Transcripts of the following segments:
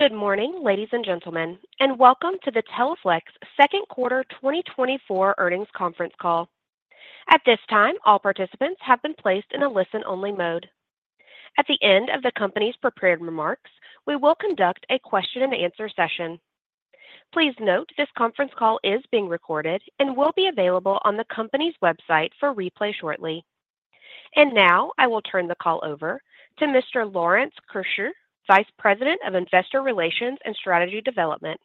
Good morning, ladies and gentlemen, and welcome to the Teleflex Second Quarter 2024 Earnings Conference Call. At this time, all participants have been placed in a listen-only mode. At the end of the company's prepared remarks, we will conduct a question and answer session. Please note, this conference call is being recorded and will be available on the company's website for replay shortly. Now I will turn the call over to Mr. Lawrence Keusch, Vice President of Investor Relations and Strategy Development.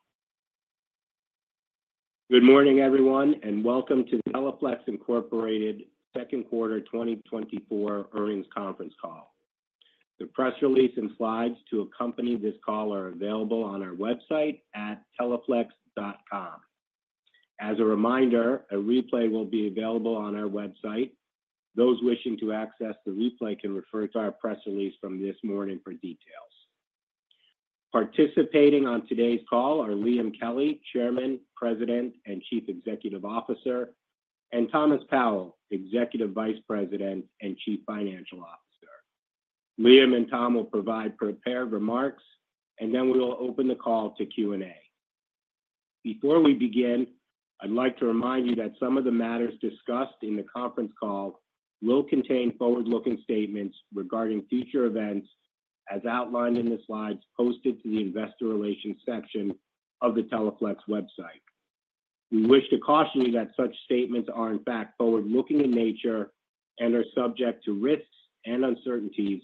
Good morning, everyone, and welcome to Teleflex Incorporated Second Quarter 2024 Earnings Conference Call. The press release and slides to accompany this call are available on our website at teleflex.com. As a reminder, a replay will be available on our website. Those wishing to access the replay can refer to our press release from this morning for details. Participating on today's call are Liam Kelly, Chairman, President, and Chief Executive Officer, and Thomas Powell, Executive Vice President and Chief Financial Officer. Liam and Tom will provide prepared remarks, and then we will open the call to Q&A. Before we begin, I'd like to remind you that some of the matters discussed in the conference call will contain forward-looking statements regarding future events, as outlined in the slides posted to the Investor Relations section of the Teleflex website. We wish to caution you that such statements are, in fact, forward-looking in nature and are subject to risks and uncertainties,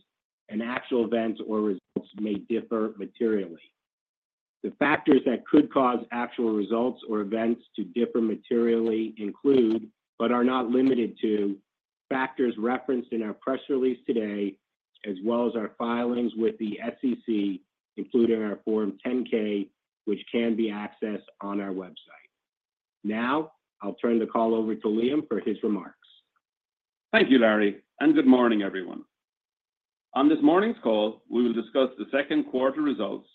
and actual events or results may differ materially. The factors that could cause actual results or events to differ materially include, but are not limited to, factors referenced in our press release today, as well as our filings with the SEC, including our Form 10-K, which can be accessed on our website. Now, I'll turn the call over to Liam for his remarks. Thank you, Larry, and good morning, everyone. On this morning's call, we will discuss the second quarter results,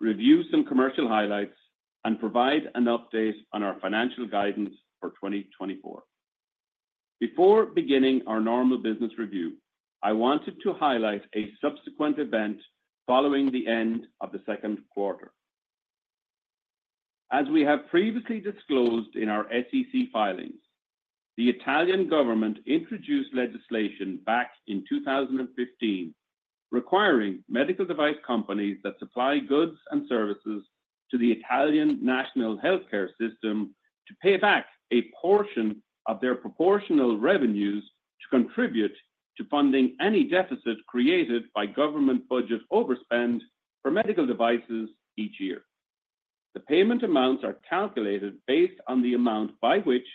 review some commercial highlights, and provide an update on our financial guidance for 2024. Before beginning our normal business review, I wanted to highlight a subsequent event following the end of the second quarter. As we have previously disclosed in our SEC filings, the Italian government introduced legislation back in 2015, requiring medical device companies that supply goods and services to the Italian National Healthcare System to pay back a portion of their proportional revenues to contribute to funding any deficit created by government budget overspend for medical devices each year. The payment amounts are calculated based on the amount by which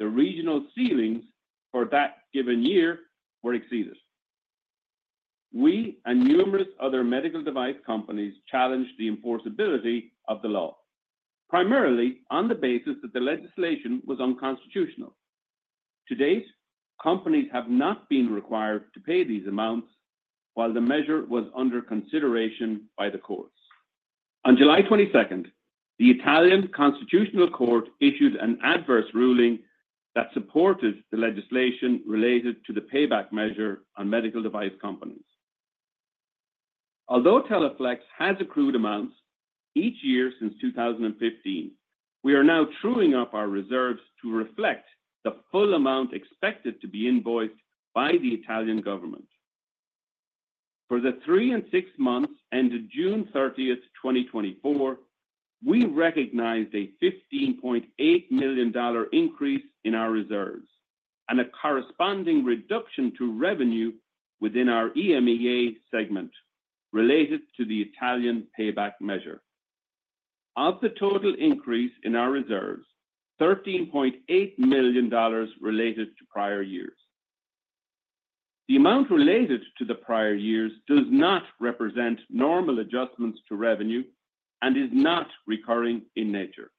the regional ceilings for that given year were exceeded. We and numerous other medical device companies challenged the enforceability of the law, primarily on the basis that the legislation was unconstitutional. To date, companies have not been required to pay these amounts while the measure was under consideration by the courts. On July 22, the Italian Constitutional Court issued an adverse ruling that supported the legislation related to the payback measure on medical device companies. Although Teleflex has accrued amounts each year since 2015, we are now truing up our reserves to reflect the full amount expected to be invoiced by the Italian government. For the three and six months ended June 30, 2024, we recognized a $15.8 million increase in our reserves and a corresponding reduction to revenue within our EMEA segment related to the Italian payback measure. Of the total increase in our reserves, $13.8 million related to prior years. The amount related to the prior years does not represent normal adjustments to revenue and is not recurring in nature,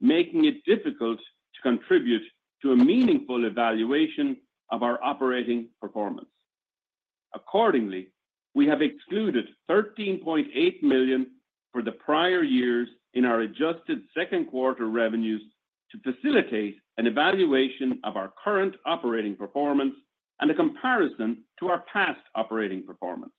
making it difficult to contribute to a meaningful evaluation of our operating performance. Accordingly, we have excluded $13.8 million for the prior years in our adjusted second quarter revenues to facilitate an evaluation of our current operating performance and a comparison to our past operating performance.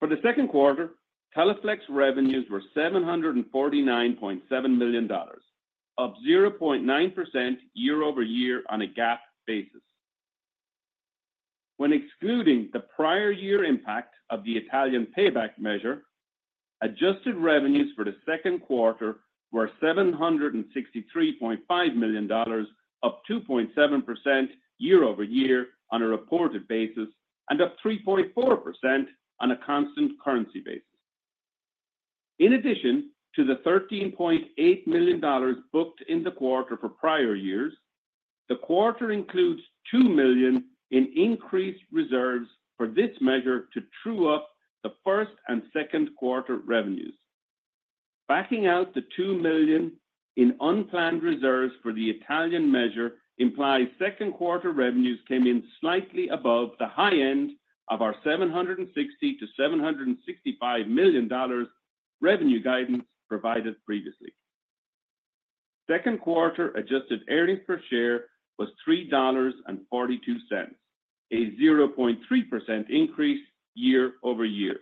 For the second quarter, Teleflex revenues were $749.7 million, up 0.9% year-over-year on a GAAP basis. When excluding the prior year impact of the Italian payback measure, adjusted revenues for the second quarter were $763.5 million, up 2.7% year-over-year on a reported basis, and up 3.4% on a constant currency basis. In addition to the $13.8 million booked in the quarter for prior years, the quarter includes $2 million in increased reserves for this measure to true up the first and second quarter revenues. Backing out the $2 million in unplanned reserves for the Italian measure implies second quarter revenues came in slightly above the high end of our $760-$765 million revenue guidance provided previously. Second quarter adjusted earnings per share was $3.42, a 0.3% increase year-over-year.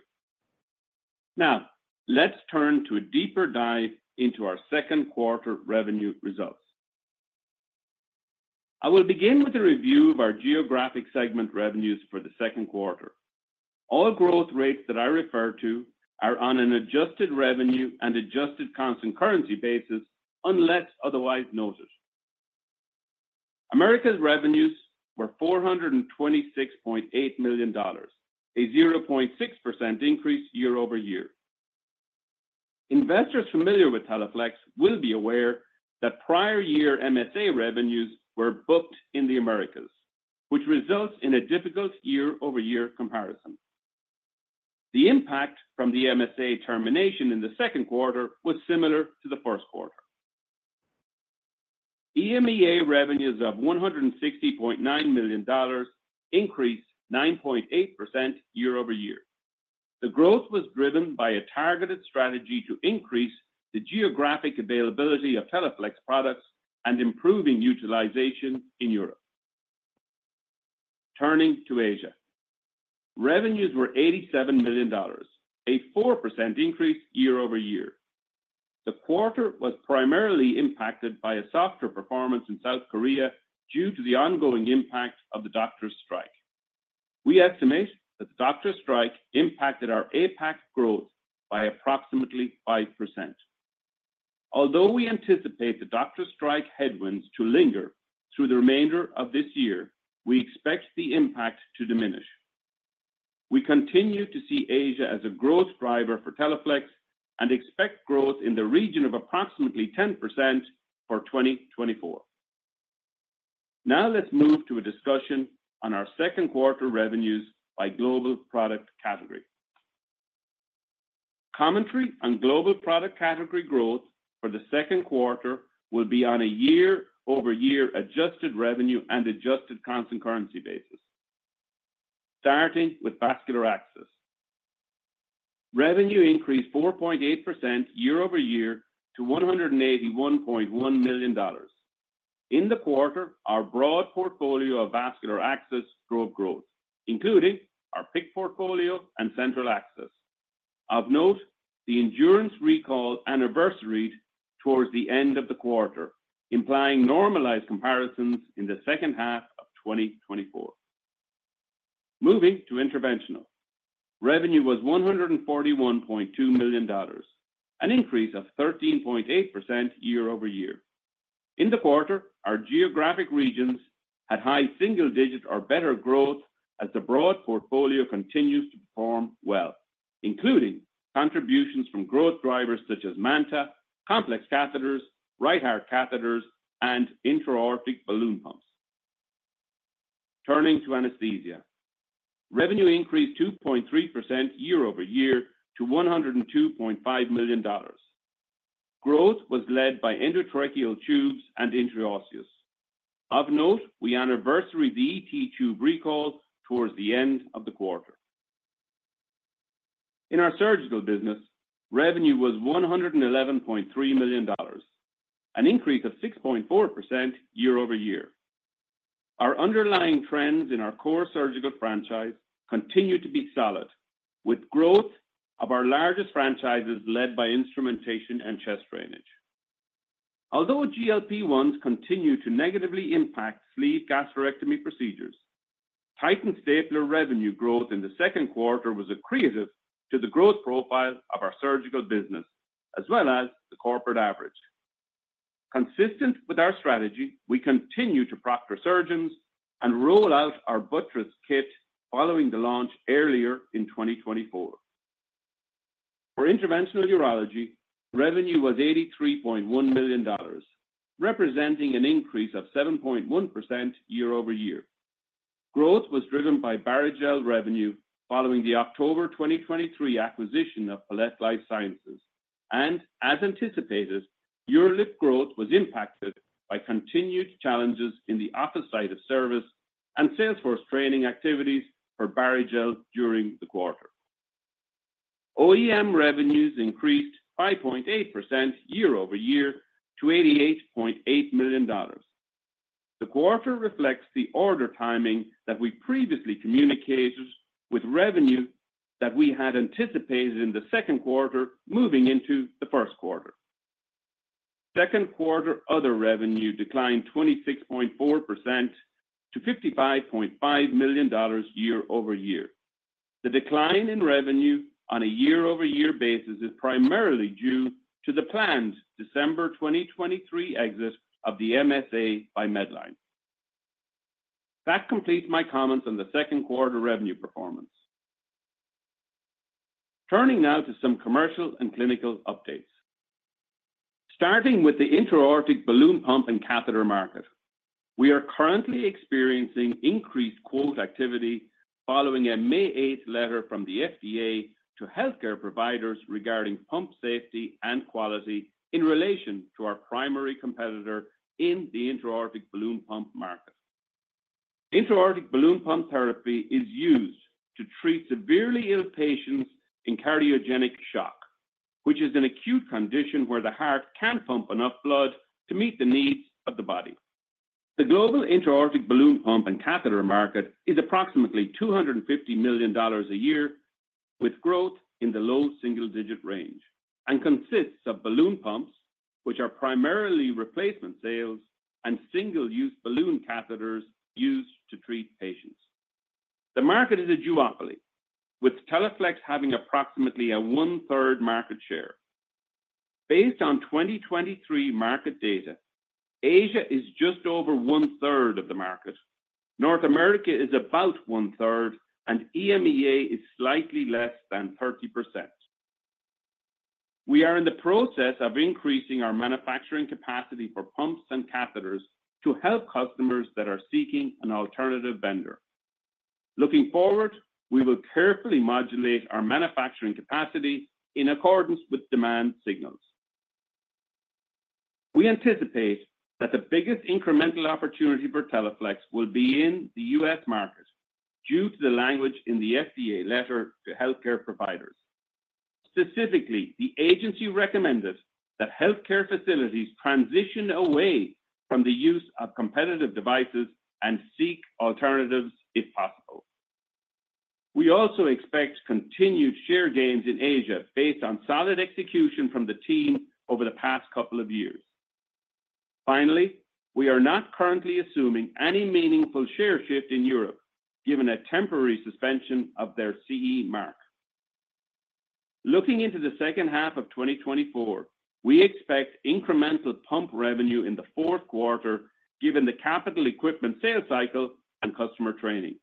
Now, let's turn to a deeper dive into our second quarter revenue results. I will begin with a review of our geographic segment revenues for the second quarter. All growth rates that I refer to are on an adjusted revenue and adjusted constant currency basis, unless otherwise noted. Americas revenues were $426.8 million, a 0.6% increase year-over-year. Investors familiar with Teleflex will be aware that prior year MSA revenues were booked in the Americas, which results in a difficult year-over-year comparison. The impact from the MSA termination in the second quarter was similar to the first quarter. EMEA revenues of $160.9 million increased 9.8% year-over-year. The growth was driven by a targeted strategy to increase the geographic availability of Teleflex products and improving utilization in Europe. Turning to Asia. Revenues were $87 million, a 4% increase year-over-year. The quarter was primarily impacted by a softer performance in South Korea due to the ongoing impact of the doctor strike. We estimate that the doctor strike impacted our APAC growth by approximately 5%. Although we anticipate the doctor strike headwinds to linger through the remainder of this year, we expect the impact to diminish. We continue to see Asia as a growth driver for Teleflex and expect growth in the region of approximately 10% for 2024. Now, let's move to a discussion on our second quarter revenues by global product category. Commentary on global product category growth for the second quarter will be on a year-over-year adjusted revenue and adjusted constant currency basis. Starting with vascular access. Revenue increased 4.8% year-over-year to $181.1 million. In the quarter, our broad portfolio of vascular access drove growth, including our PICC portfolio and central access. Of note, the Endurance recall anniversaried towards the end of the quarter, implying normalized comparisons in the second half of 2024. Moving to interventional. Revenue was $141.2 million, an increase of 13.8% year-over-year. In the quarter, our geographic regions had high single digits or better growth as the broad portfolio continues to perform well, including contributions from growth drivers such as Manta, complex catheters, right heart catheters, and intra-aortic balloon pumps. Turning to anesthesia. Revenue increased 2.3% year-over-year to $102.5 million. Growth was led by endotracheal tubes and intraosseous. Of note, we anniversaried the ET tube recall towards the end of the quarter. In our surgical business, revenue was $111.3 million, an increase of 6.4% year-over-year. Our underlying trends in our core surgical franchise continued to be solid, with growth of our largest franchises led by instrumentation and chest drainage. Although GLP-1s continue to negatively impact sleeve gastrectomy procedures, Titan stapler revenue growth in the second quarter was accretive to the growth profile of our surgical business, as well as the corporate average. Consistent with our strategy, we continue to proctor surgeons and roll out our buttress kit following the launch earlier in 2024. For interventional urology, revenue was $83.1 million, representing an increase of 7.1% year-over-year. Growth was driven by Barrigel revenue following the October 2023 acquisition of Palette Life Sciences, and as anticipated, UroLift growth was impacted by continued challenges in the office site of service and salesforce training activities for Barrigel during the quarter. OEM revenues increased 5.8% year-over-year to $88.8 million. The quarter reflects the order timing that we previously communicated with revenue that we had anticipated in the second quarter moving into the first quarter. Second quarter other revenue declined 26.4% to $55.5 million year-over-year. The decline in revenue on a year-over-year basis is primarily due to the planned December 2023 exit of the MSA by Medline. That completes my comments on the second quarter revenue performance. Turning now to some commercial and clinical updates. Starting with the intra-aortic balloon pump and catheter market, we are currently experiencing increased quote activity following a May 8 letter from the FDA to healthcare providers regarding pump safety and quality in relation to our primary competitor in the intra-aortic balloon pump market. Intra-aortic balloon pump therapy is used to treat severely ill patients in cardiogenic shock, which is an acute condition where the heart can't pump enough blood to meet the needs of the body. The global intra-aortic balloon pump and catheter market is approximately $250 million a year, with growth in the low single-digit range, and consists of balloon pumps, which are primarily replacement sales and single-use balloon catheters used to treat patients. The market is a duopoly, with Teleflex having approximately a one-third market share. Based on 2023 market data, Asia is just over one-third of the market, North America is about one-third, and EMEA is slightly less than 30%. We are in the process of increasing our manufacturing capacity for pumps and catheters to help customers that are seeking an alternative vendor. Looking forward, we will carefully modulate our manufacturing capacity in accordance with demand signals. We anticipate that the biggest incremental opportunity for Teleflex will be in the U.S. market due to the language in the FDA letter to healthcare providers. Specifically, the agency recommended that healthcare facilities transition away from the use of competitive devices and seek alternatives if possible. We also expect continued share gains in Asia based on solid execution from the team over the past couple of years. Finally, we are not currently assuming any meaningful share shift in Europe, given a temporary suspension of their CE Mark. Looking into the second half of 2024, we expect incremental pump revenue in the fourth quarter, given the capital equipment sales cycle and customer training.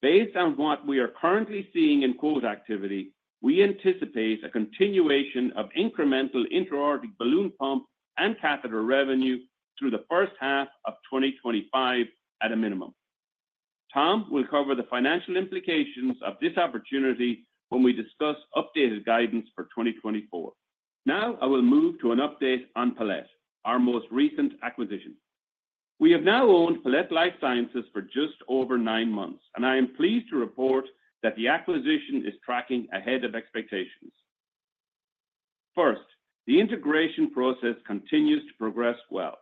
Based on what we are currently seeing in quote activity, we anticipate a continuation of incremental intra-aortic balloon pump and catheter revenue through the first half of 2025 at a minimum. Tom will cover the financial implications of this opportunity when we discuss updated guidance for 2024. Now, I will move to an update on Palette, our most recent acquisition. We have now owned Palette Life Sciences for just over 9 months, and I am pleased to report that the acquisition is tracking ahead of expectations. First, the integration process continues to progress well,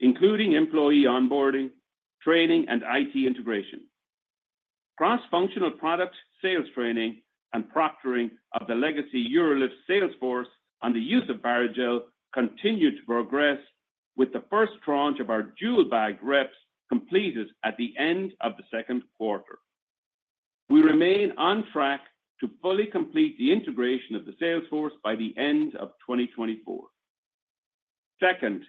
including employee onboarding, training, and IT integration. Cross-functional product sales training and proctoring of the legacy UroLift sales force on the use of Barrigel continue to progress with the first tranche of our dual bag reps completed at the end of the second quarter. We remain on track to fully complete the integration of the sales force by the end of 2024. Second,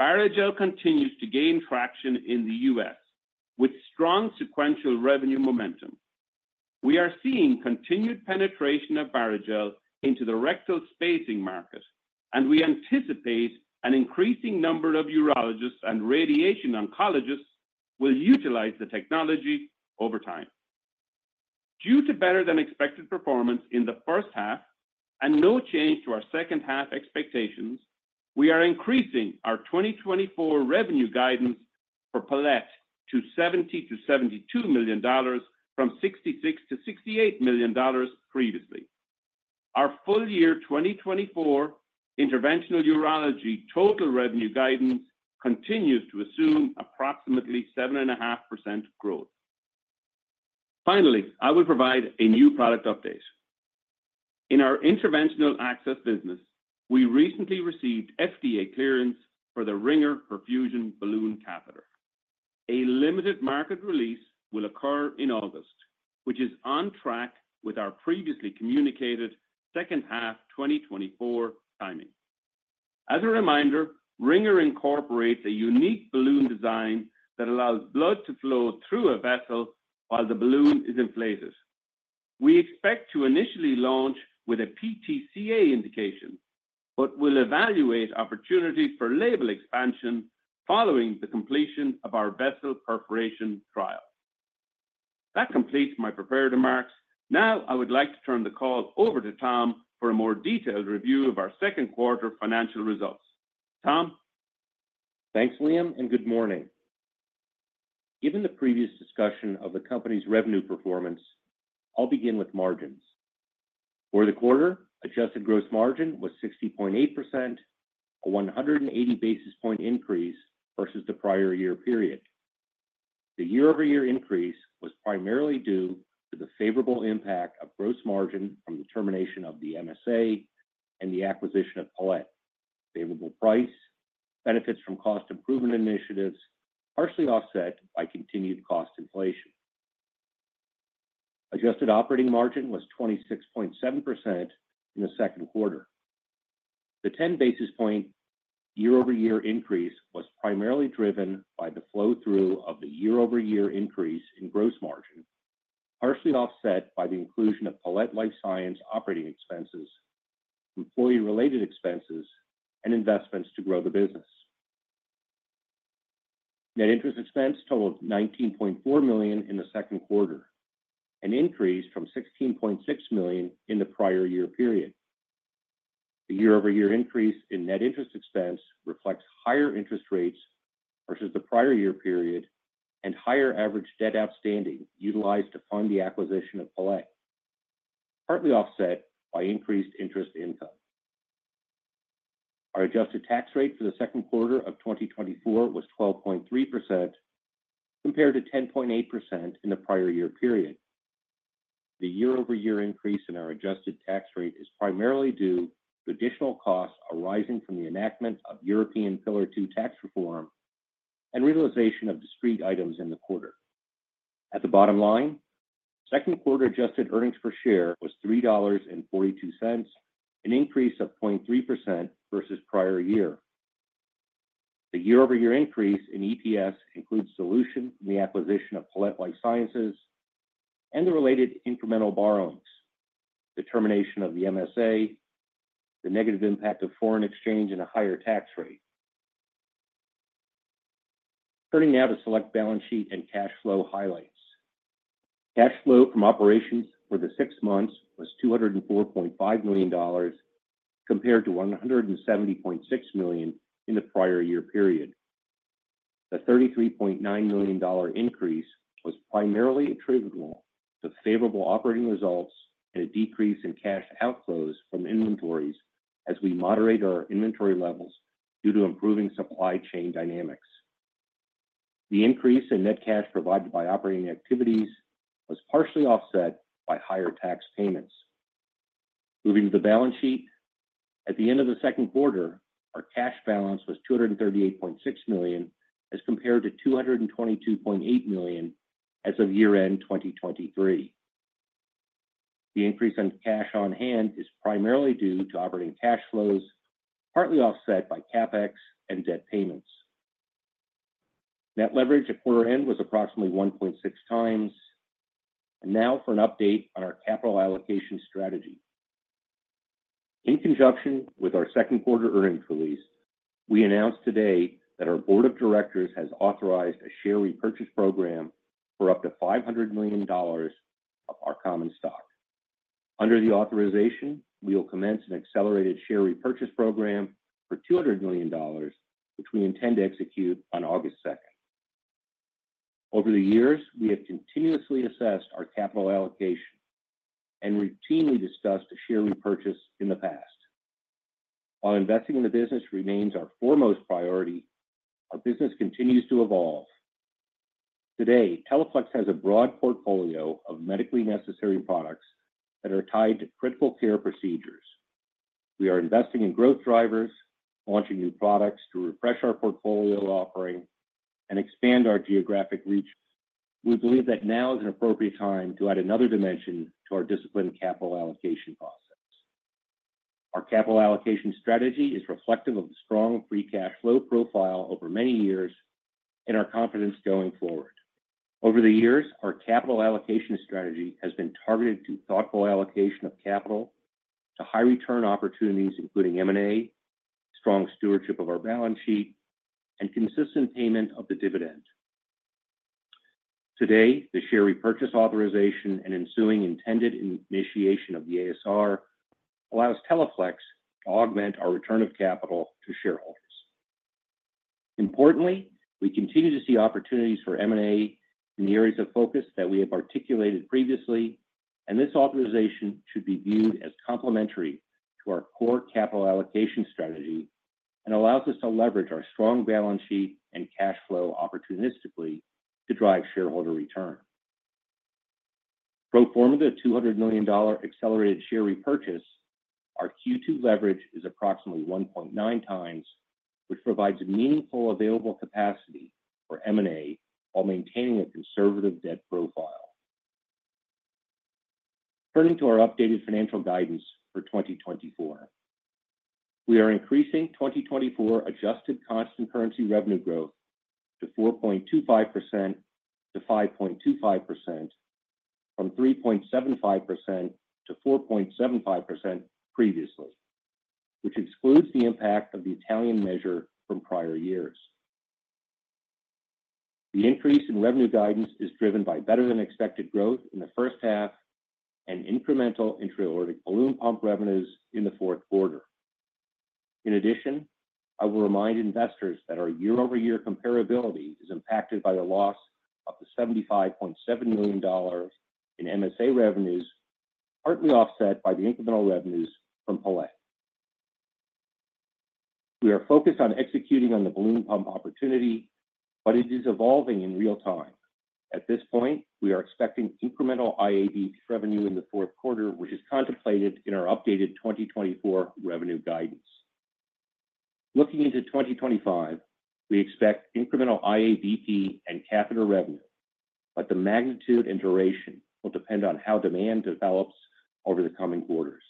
Barrigel continues to gain traction in the US with strong sequential revenue momentum. We are seeing continued penetration of Barrigel into the rectal spacing market, and we anticipate an increasing number of urologists and radiation oncologists will utilize the technology over time. Due to better-than-expected performance in the first half and no change to our second-half expectations, we are increasing our 2024 revenue guidance for Palette to $70 million-$72 million from $66 million-$68 million previously. Our full year 2024 interventional urology total revenue guidance continues to assume approximately 7.5% growth. Finally, I will provide a new product update. In our interventional access business, we recently received FDA clearance for the Ringer perfusion balloon catheter. A limited market release will occur in August, which is on track with our previously communicated second half 2024 timing. As a reminder, Ringer incorporates a unique balloon design that allows blood to flow through a vessel while the balloon is inflated. We expect to initially launch with a PTCA indication, but will evaluate opportunities for label expansion following the completion of our vessel perforation trial. That completes my prepared remarks. Now, I would like to turn the call over to Tom for a more detailed review of our second quarter financial results. Tom? Thanks, Liam, and good morning. Given the previous discussion of the company's revenue performance, I'll begin with margins. For the quarter, adjusted gross margin was 60.8%, a 180 basis point increase versus the prior year period. The year-over-year increase was primarily due to the favorable impact of gross margin from the termination of the MSA and the acquisition of Palette, favorable price, benefits from cost improvement initiatives, partially offset by continued cost inflation. Adjusted operating margin was 26.7% in the second quarter. The 10 basis point year-over-year increase was primarily driven by the flow-through of the year-over-year increase in gross margin, partially offset by the inclusion of Palette Life Sciences operating expenses, employee-related expenses, and investments to grow the business. Net interest expense totaled $19.4 million in the second quarter, an increase from $16.6 million in the prior year period. The year-over-year increase in net interest expense reflects higher interest rates versus the prior year period, and higher average debt outstanding utilized to fund the acquisition of Palette, partly offset by increased interest income. Our adjusted tax rate for the second quarter of 2024 was 12.3%, compared to 10.8% in the prior year period. The year-over-year increase in our adjusted tax rate is primarily due to additional costs arising from the enactment of European Pillar Two tax reform and realization of discrete items in the quarter. At the bottom line, second quarter adjusted earnings per share was $3.42, an increase of 0.3% versus prior year. The year-over-year increase in EPS includes dilution in the acquisition of Palette Life Sciences and the related incremental borrowings, the termination of the MSA, the negative impact of foreign exchange, and a higher tax rate. Turning now to select balance sheet and cash flow highlights. Cash flow from operations for the six months was $204.5 million, compared to $170.6 million in the prior year period. The $33.9 million increase was primarily attributable to favorable operating results and a decrease in cash outflows from inventories as we moderate our inventory levels due to improving supply chain dynamics. The increase in net cash provided by operating activities was partially offset by higher tax payments. Moving to the balance sheet. At the end of the second quarter, our cash balance was $238.6 million, as compared to $222.8 million as of year-end 2023. The increase in cash on hand is primarily due to operating cash flows, partly offset by CapEx and debt payments. Net leverage at quarter end was approximately 1.6 times. Now for an update on our capital allocation strategy. In conjunction with our second quarter earnings release, we announced today that our board of directors has authorized a share repurchase program for up to $500 million of our common stock. Under the authorization, we will commence an accelerated share repurchase program for $200 million, which we intend to execute on August 2. Over the years, we have continuously assessed our capital allocation and routinely discussed a share repurchase in the past. While investing in the business remains our foremost priority, our business continues to evolve. Today, Teleflex has a broad portfolio of medically necessary products that are tied to critical care procedures. We are investing in growth drivers, launching new products to refresh our portfolio offering and expand our geographic reach. We believe that now is an appropriate time to add another dimension to our disciplined capital allocation process. Our capital allocation strategy is reflective of the strong free cash flow profile over many years and our confidence going forward. Over the years, our capital allocation strategy has been targeted to thoughtful allocation of capital to high return opportunities, including M&A, strong stewardship of our balance sheet, and consistent payment of the dividend. Today, the share repurchase authorization and ensuing intended initiation of the ASR allows Teleflex to augment our return of capital to shareholders. Importantly, we continue to see opportunities for M&A in the areas of focus that we have articulated previously, and this authorization should be viewed as complementary to our core capital allocation strategy and allows us to leverage our strong balance sheet and cash flow opportunistically to drive shareholder return. Pro forma, the $200 million accelerated share repurchase, our Q2 leverage is approximately 1.9 times, which provides a meaningful available capacity for M&A while maintaining a conservative debt profile. Turning to our updated financial guidance for 2024. We are increasing 2024 adjusted constant currency revenue growth to 4.25%-5.25% from 3.75%-4.75% previously, which excludes the impact of the Italian measure from prior years. The increase in revenue guidance is driven by better-than-expected growth in the first half and incremental intra-aortic balloon pump revenues in the fourth quarter. In addition, I will remind investors that our year-over-year comparability is impacted by the loss of the $75.7 million in MSA revenues, partly offset by the incremental revenues from Palette. We are focused on executing on the balloon pump opportunity, but it is evolving in real time. At this point, we are expecting incremental IAB revenue in the fourth quarter, which is contemplated in our updated 2024 revenue guidance. Looking into 2025, we expect incremental IABP and catheter revenue, but the magnitude and duration will depend on how demand develops over the coming quarters.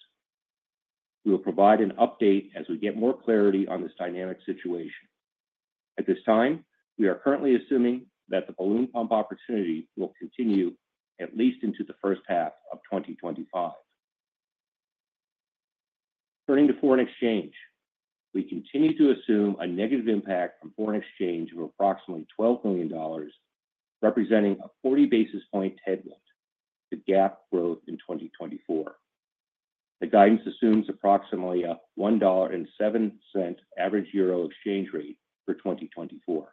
We will provide an update as we get more clarity on this dynamic situation. At this time, we are currently assuming that the balloon pump opportunity will continue at least into the first half of 2025. Turning to foreign exchange. We continue to assume a negative impact from foreign exchange of approximately $12 million, representing a 40 basis point headwind to GAAP growth in 2024. The guidance assumes approximately a $1.07 average euro exchange rate for 2024.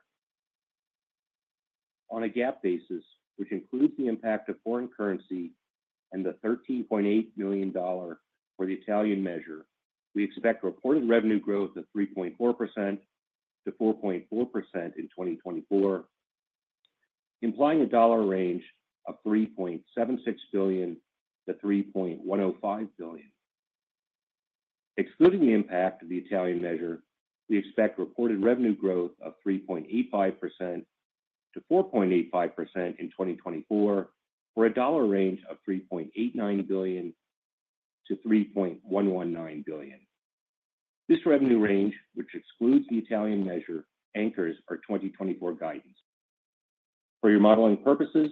On a GAAP basis, which includes the impact of foreign currency and the $13.8 million for the Italian measure, we expect reported revenue growth of 3.4%-4.4% in 2024, implying a dollar range of $3.76 billion-$3.105 billion. Excluding the impact of the Italian measure, we expect reported revenue growth of 3.85%-4.85% in 2024, for a dollar range of $3.89 billion-$3.119 billion. This revenue range, which excludes the Italian measure, anchors our 2024 guidance. For your modeling purposes,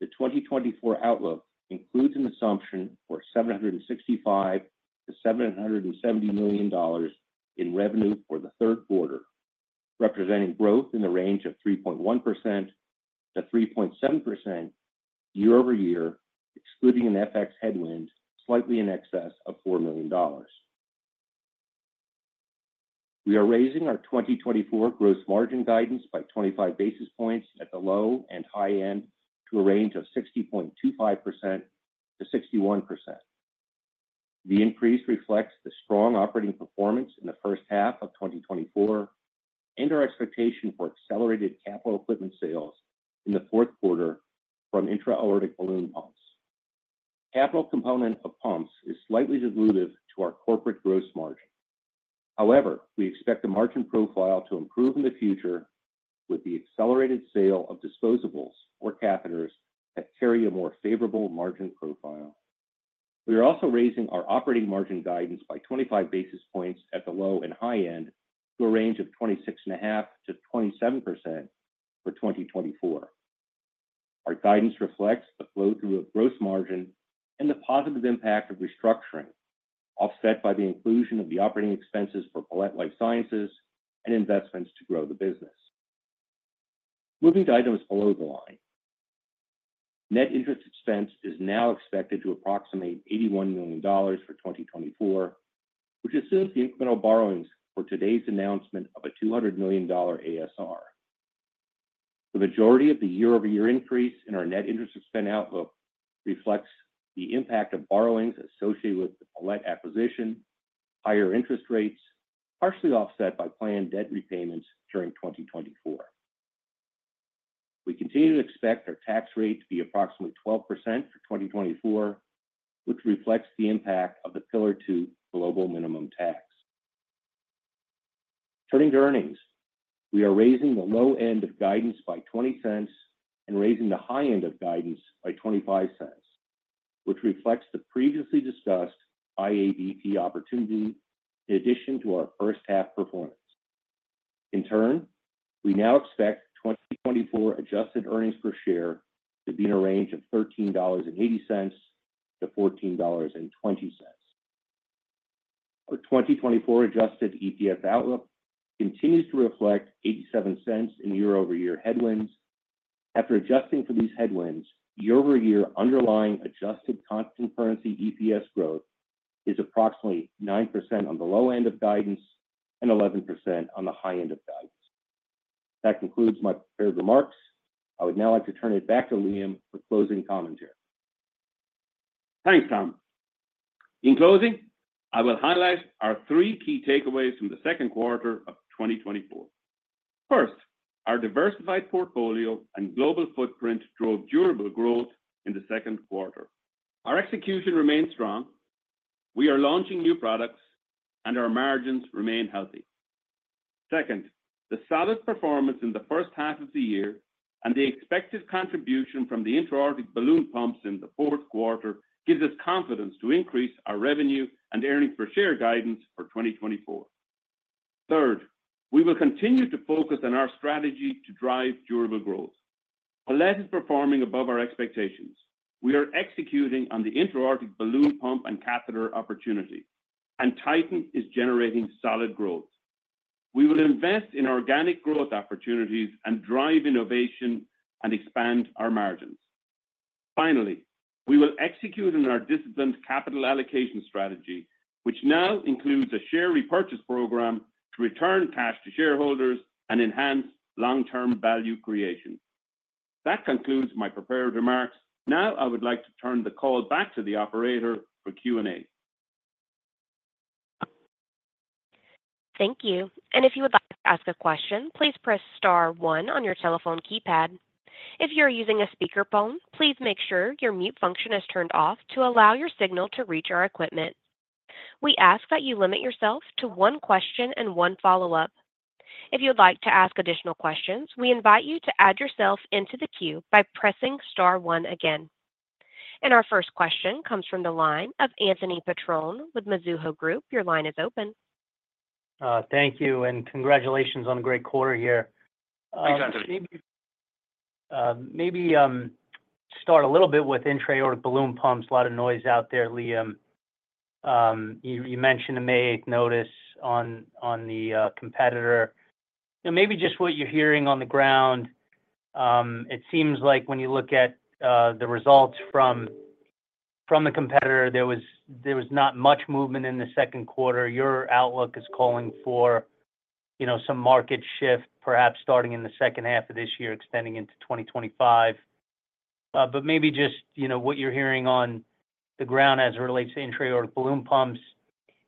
the 2024 outlook includes an assumption for $765 million-$770 million in revenue for the third quarter, representing growth in the range of 3.1%-3.7% year-over-year, excluding an FX headwind, slightly in excess of $4 million. We are raising our 2024 gross margin guidance by 25 basis points at the low and high end to a range of 60.25%-61%. The increase reflects the strong operating performance in the first half of 2024, and our expectation for accelerated capital equipment sales in the fourth quarter from intra-aortic balloon pumps. Capital component of pumps is slightly dilutive to our corporate gross margin. However, we expect the margin profile to improve in the future with the accelerated sale of disposables or catheters that carry a more favorable margin profile. We are also raising our operating margin guidance by 25 basis points at the low and high end to a range of 26.5%-27% for 2024. Our guidance reflects the flow through of gross margin and the positive impact of restructuring, offset by the inclusion of the operating expenses for Palette Life Sciences and investments to grow the business. Moving to items below the line. Net interest expense is now expected to approximate $81 million for 2024, which assumes the incremental borrowings for today's announcement of a $200 million ASR. The majority of the year-over-year increase in our net interest expense outlook reflects the impact of borrowings associated with the Palette acquisition, higher interest rates, partially offset by planned debt repayments during 2024. We continue to expect our tax rate to be approximately 12% for 2024, which reflects the impact of the Pillar Two global minimum tax. Turning to earnings, we are raising the low end of guidance by $0.20 and raising the high end of guidance by $0.25, which reflects the previously discussed IABP opportunity in addition to our first half performance. In turn, we now expect 2024 adjusted earnings per share to be in a range of $13.80-$14.20. Our 2024 adjusted EPS outlook continues to reflect $0.87 in year-over-year headwinds. After adjusting for these headwinds, year-over-year underlying adjusted constant currency EPS growth is approximately 9% on the low end of guidance and 11% on the high end of guidance. That concludes my prepared remarks. I would now like to turn it back to Liam for closing commentary. Thanks, Tom. In closing, I will highlight our three key takeaways from the second quarter of 2024. First, our diversified portfolio and global footprint drove durable growth in the second quarter. Our execution remains strong. We are launching new products, and our margins remain healthy. Second, the solid performance in the first half of the year and the expected contribution from the intra-aortic balloon pumps in the fourth quarter gives us confidence to increase our revenue and earnings per share guidance for 2024. Third, we will continue to focus on our strategy to drive durable growth. Palette is performing above our expectations. We are executing on the intra-aortic balloon pump and catheter opportunity, and Titan is generating solid growth. We will invest in organic growth opportunities and drive innovation and expand our margins. Finally, we will execute on our disciplined capital allocation strategy, which now includes a share repurchase program to return cash to shareholders and enhance long-term value creation. That concludes my prepared remarks. Now, I would like to turn the call back to the operator for Q&A. Thank you. If you would like to ask a question, please press star one on your telephone keypad. If you are using a speakerphone, please make sure your mute function is turned off to allow your signal to reach our equipment. We ask that you limit yourself to one question and one follow-up. If you would like to ask additional questions, we invite you to add yourself into the queue by pressing star one again. Our first question comes from the line of Anthony Petrone with Mizuho Group. Your line is open. Thank you, and congratulations on a great quarter here. Thanks, Anthony. Maybe start a little bit with intra-aortic balloon pumps. A lot of noise out there, Liam. You mentioned the May 8th notice on the competitor. Now maybe just what you're hearing on the ground. It seems like when you look at the results from the competitor, there was not much movement in the second quarter. Your outlook is calling for, you know, some market shift, perhaps starting in the second half of this year, extending into 2025. But maybe just, you know, what you're hearing on the ground as it relates to intra-aortic balloon pumps,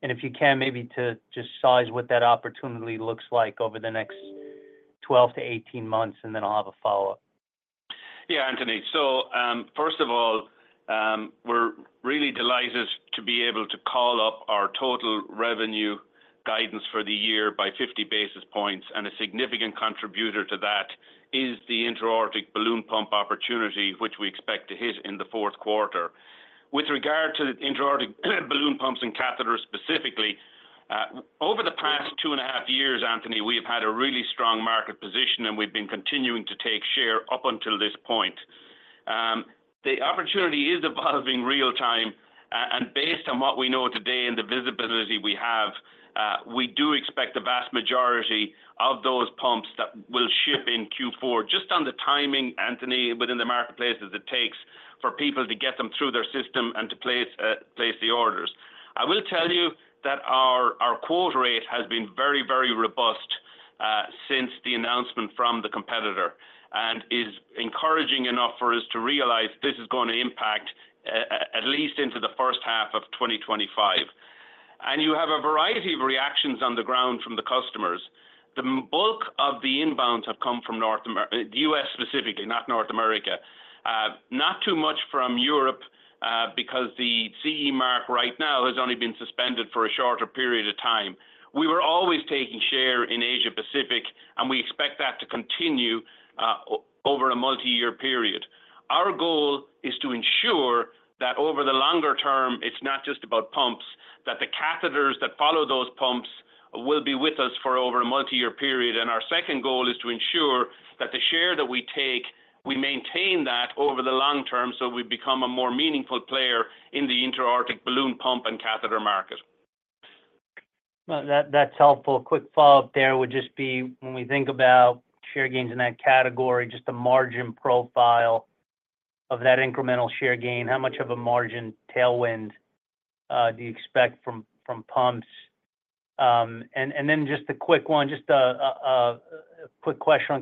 and if you can, maybe to just size what that opportunity looks like over the next 12-18 months, and then I'll have a follow-up. Yeah, Anthony. So, first of all, we're really delighted to be able to call up our total revenue guidance for the year by 50 basis points, and a significant contributor to that is the intra-aortic balloon pump opportunity, which we expect to hit in the fourth quarter. With regard to the intra-aortic balloon pumps and catheters specifically, over the past two and a half years, Anthony, we have had a really strong market position, and we've been continuing to take share up until this point. The opportunity is evolving real time, and based on what we know today and the visibility we have, we do expect the vast majority of those pumps that will ship in Q4, just on the timing, Anthony, within the marketplace, as it takes for people to get them through their system and to place the orders. I will tell you that our quote rate has been very, very robust since the announcement from the competitor, and is encouraging enough for us to realize this is going to impact at least into the first half of 2025. You have a variety of reactions on the ground from the customers. The bulk of the inbounds have come from U.S. specifically, not North America. Not too much from Europe, because the CE Mark right now has only been suspended for a shorter period of time. We were always taking share in Asia-Pacific, and we expect that to continue over a multi-year period. Our goal is to ensure that over the longer term, it's not just about pumps, that the catheters that follow those pumps will be with us for over a multi-year period. Our second goal is to ensure that the share that we take, we maintain that over the long term, so we become a more meaningful player in the Intra-aortic Balloon Pump and catheter market. Well, that's helpful. Quick follow-up there would just be when we think about share gains in that category, just the margin profile of that incremental share gain, how much of a margin tailwind do you expect from pumps? And then just a quick question on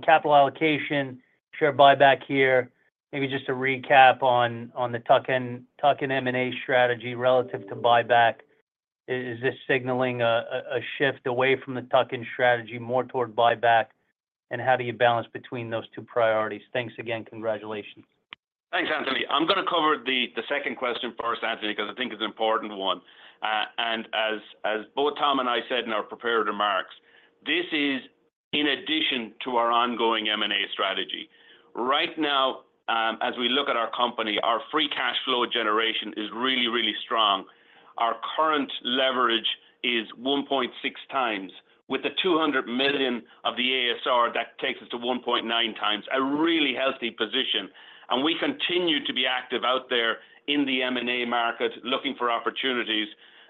capital allocation, share buyback here. Maybe just to recap on the tuck-in M&A strategy relative to buyback. Is this signaling a shift away from the tuck-in strategy, more toward buyback? And how do you balance between those two priorities? Thanks again. Congratulations. Thanks, Anthony. I'm going to cover the second question first, Anthony, because I think it's an important one. And as both Tom and I said in our prepared remarks, this is in addition to our ongoing M&A strategy. Right now, as we look at our company, our free cash flow generation is really, really strong. Our current leverage is 1.6 times. With the $200 million of the ASR, that takes us to 1.9 times, a really healthy position, and we continue to be active out there in the M&A market, looking for opportunities.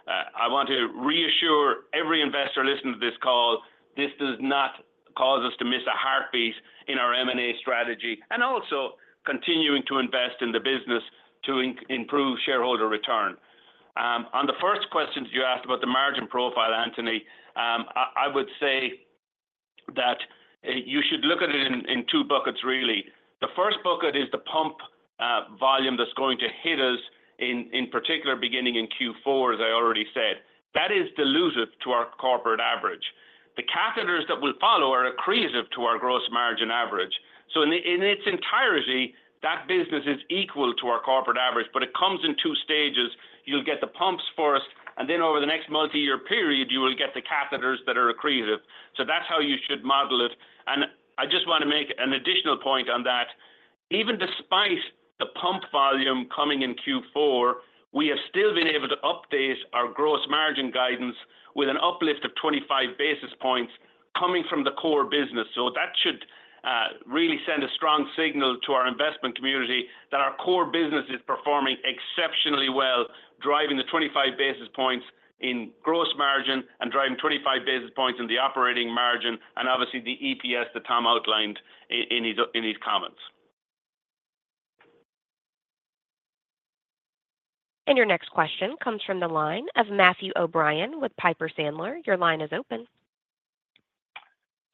I want to reassure every investor listening to this call, this does not cause us to miss a heartbeat in our M&A strategy, and also continuing to invest in the business to improve shareholder return. On the first questions you asked about the margin profile, Anthony, I would say that you should look at it in two buckets, really. The first bucket is the pump volume that's going to hit us in particular, beginning in Q4, as I already said. That is dilutive to our corporate average. The catheters that will follow are accretive to our gross margin average. So in its entirety, that business is equal to our corporate average, but it comes in two stages. You'll get the pumps first, and then over the next multi-year period, you will get the catheters that are accretive. So that's how you should model it. And I just want to make an additional point on that. Even despite the pump volume coming in Q4, we have still been able to update our gross margin guidance with an uplift of 25 basis points coming from the core business. So that should really send a strong signal to our investment community that our core business is performing exceptionally well, driving the 25 basis points in gross margin and driving 25 basis points in the operating margin, and obviously, the EPS that Tom outlined in his comments. Your next question comes from the line of Matthew O'Brien with Piper Sandler. Your line is open.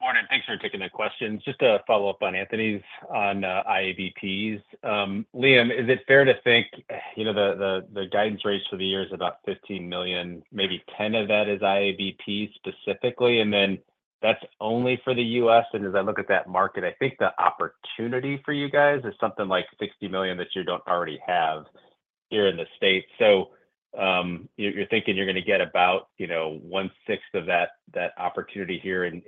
Morning. Thanks for taking the questions. Just to follow up on Anthony's on IABPs. Liam, is it fair to think, you know, the guidance raise for the year is about $15 million, maybe $10 million of that is IABP specifically, and then that's only for the U.S.? And as I look at that market, I think the opportunity for you guys is something like $60 million that you don't already have here in the States. So, you're thinking you're going to get about, you know, one-sixth of that opportunity here in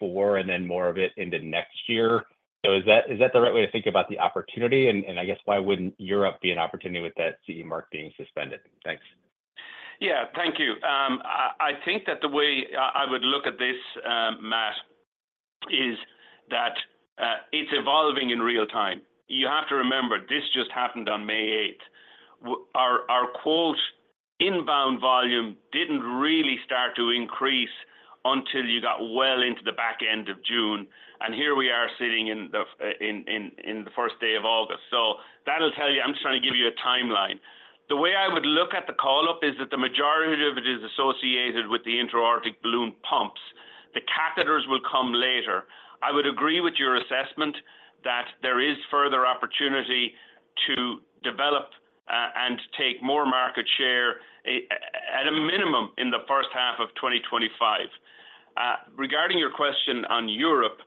Q4 and then more of it into next year. So is that the right way to think about the opportunity? And I guess why wouldn't Europe be an opportunity with that CE mark being suspended? Thanks. Yeah. Thank you. I think that the way I would look at this, Matt, is that it's evolving in real time. You have to remember, this just happened on May 8. Our quoted inbound volume didn't really start to increase until you got well into the back end of June, and here we are sitting in the first day of August. So that'll tell you, I'm just trying to give you a timeline. The way I would look at the call-up is that the majority of it is associated with the intra-aortic balloon pumps. The catheters will come later. I would agree with your assessment that there is further opportunity to develop and take more market share at a minimum, in the first half of 2025. Regarding your question on Europe,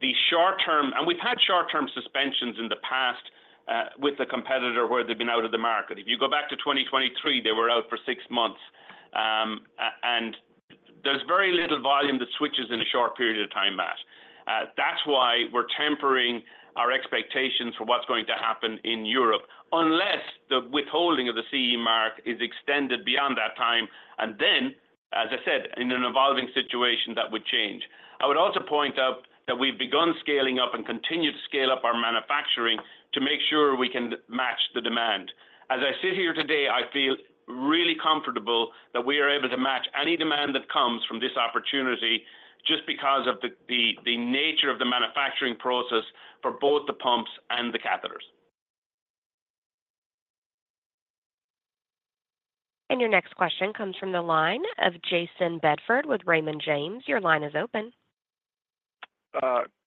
the short term... And we've had short-term suspensions in the past, with the competitor where they've been out of the market. If you go back to 2023, they were out for six months. And there's very little volume that switches in a short period of time, Matt. That's why we're tempering our expectations for what's going to happen in Europe, unless the withholding of the CE Mark is extended beyond that time. And then, as I said, in an evolving situation, that would change. I would also point out that we've begun scaling up and continued to scale up our manufacturing to make sure we can match the demand. As I sit here today, I feel really comfortable that we are able to match any demand that comes from this opportunity just because of the nature of the manufacturing process for both the pumps and the catheters. Your next question comes from the line of Jason Bedford with Raymond James. Your line is open.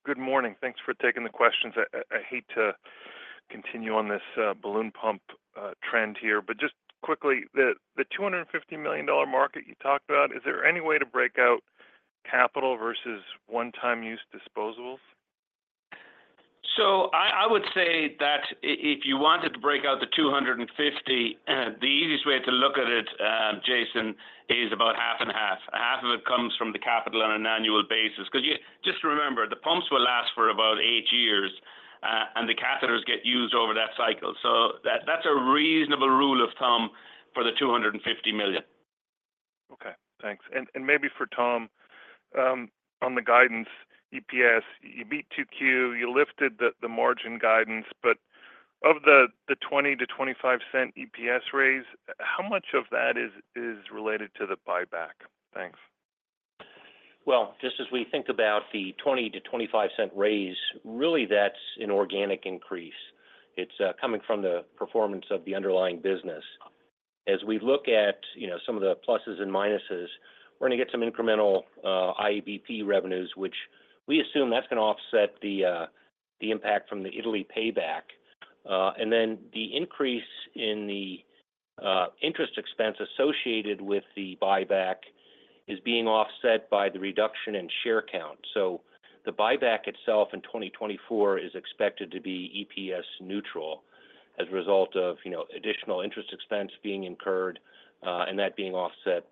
Good morning. Thanks for taking the questions. I hate to continue on this balloon pump trend here, but just quickly, the $250 million market you talked about, is there any way to break out capital versus one-time use disposables? So I would say that if you wanted to break out the 250, the easiest way to look at it, Jason, is about half and half. Half of it comes from the capital on an annual basis, because you just remember, the pumps will last for about 8 years, and the catheters get used over that cycle. So that, that's a reasonable rule of thumb for the $250 million. Okay, thanks. Maybe for Tom, on the guidance EPS, you beat 2Q, you lifted the margin guidance, but of the $0.20-$0.25 EPS raise, how much of that is related to the buyback? Thanks. Well, just as we think about the 20-25 cent raise, really that's an organic increase. It's coming from the performance of the underlying business. As we look at, you know, some of the pluses and minuses, we're going to get some incremental IABP revenues, which we assume that's going to offset the impact from the Italy payback. And then the increase in the interest expense associated with the buyback is being offset by the reduction in share count. So the buyback itself in 2024 is expected to be EPS neutral as a result of, you know, additional interest expense being incurred and that being offset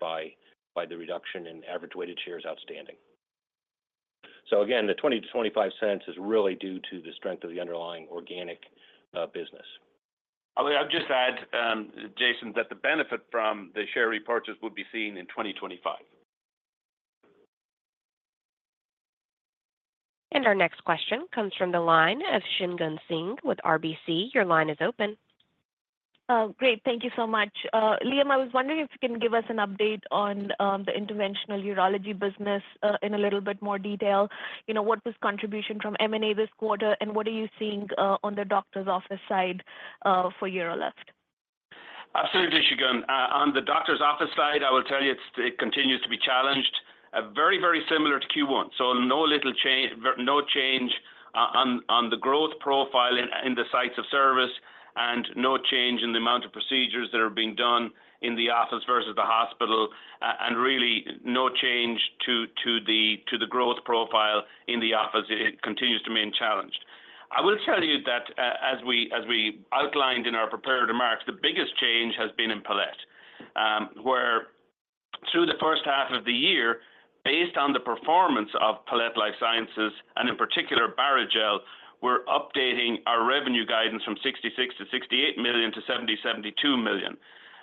by the reduction in average weighted shares outstanding. So again, the 20-25 cents is really due to the strength of the underlying organic business. I'll just add, Jason, that the benefit from the share repurchase will be seen in 2025. Our next question comes from the line of Shagun Singh with RBC. Your line is open. Great. Thank you so much. Liam, I was wondering if you can give us an update on the interventional urology business in a little bit more detail. You know, what was contribution from M&A this quarter, and what are you seeing on the doctor's office side for UroLift? Absolutely, Shagun. On the doctor's office side, I will tell you, it's, it continues to be challenged, very, very similar to Q1. So no change, on, on the growth profile in, in the sites of service, and no change in the amount of procedures that are being done in the office versus the hospital, and really no change to, to the, to the growth profile in the office. It continues to remain challenged. I will tell you that as we, as we outlined in our prepared remarks, the biggest change has been in Palette, where through the first half of the year, based on the performance of Palette Life Sciences, and in particular Barrigel, we're updating our revenue guidance from $66 million-$68 million to $70 million-$72 million.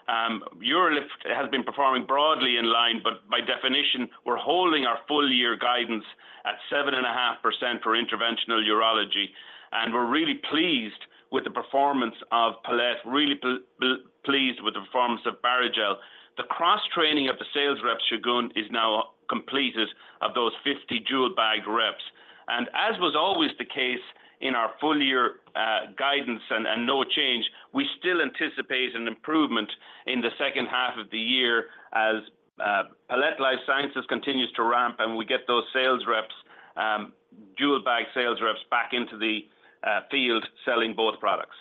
UroLift has been performing broadly in line, but by definition, we're holding our full-year guidance at 7.5% for interventional urology, and we're really pleased with the performance of Palette, really pleased with the performance of Barrigel. The cross-training of the sales reps, Shagun, is now completed of those 50 dual-bag reps. And as was always the case in our full-year guidance and no change, we still anticipate an improvement in the second half of the year as Palette Life Sciences continues to ramp and we get those sales reps, dual-bag sales reps back into the field, selling both products.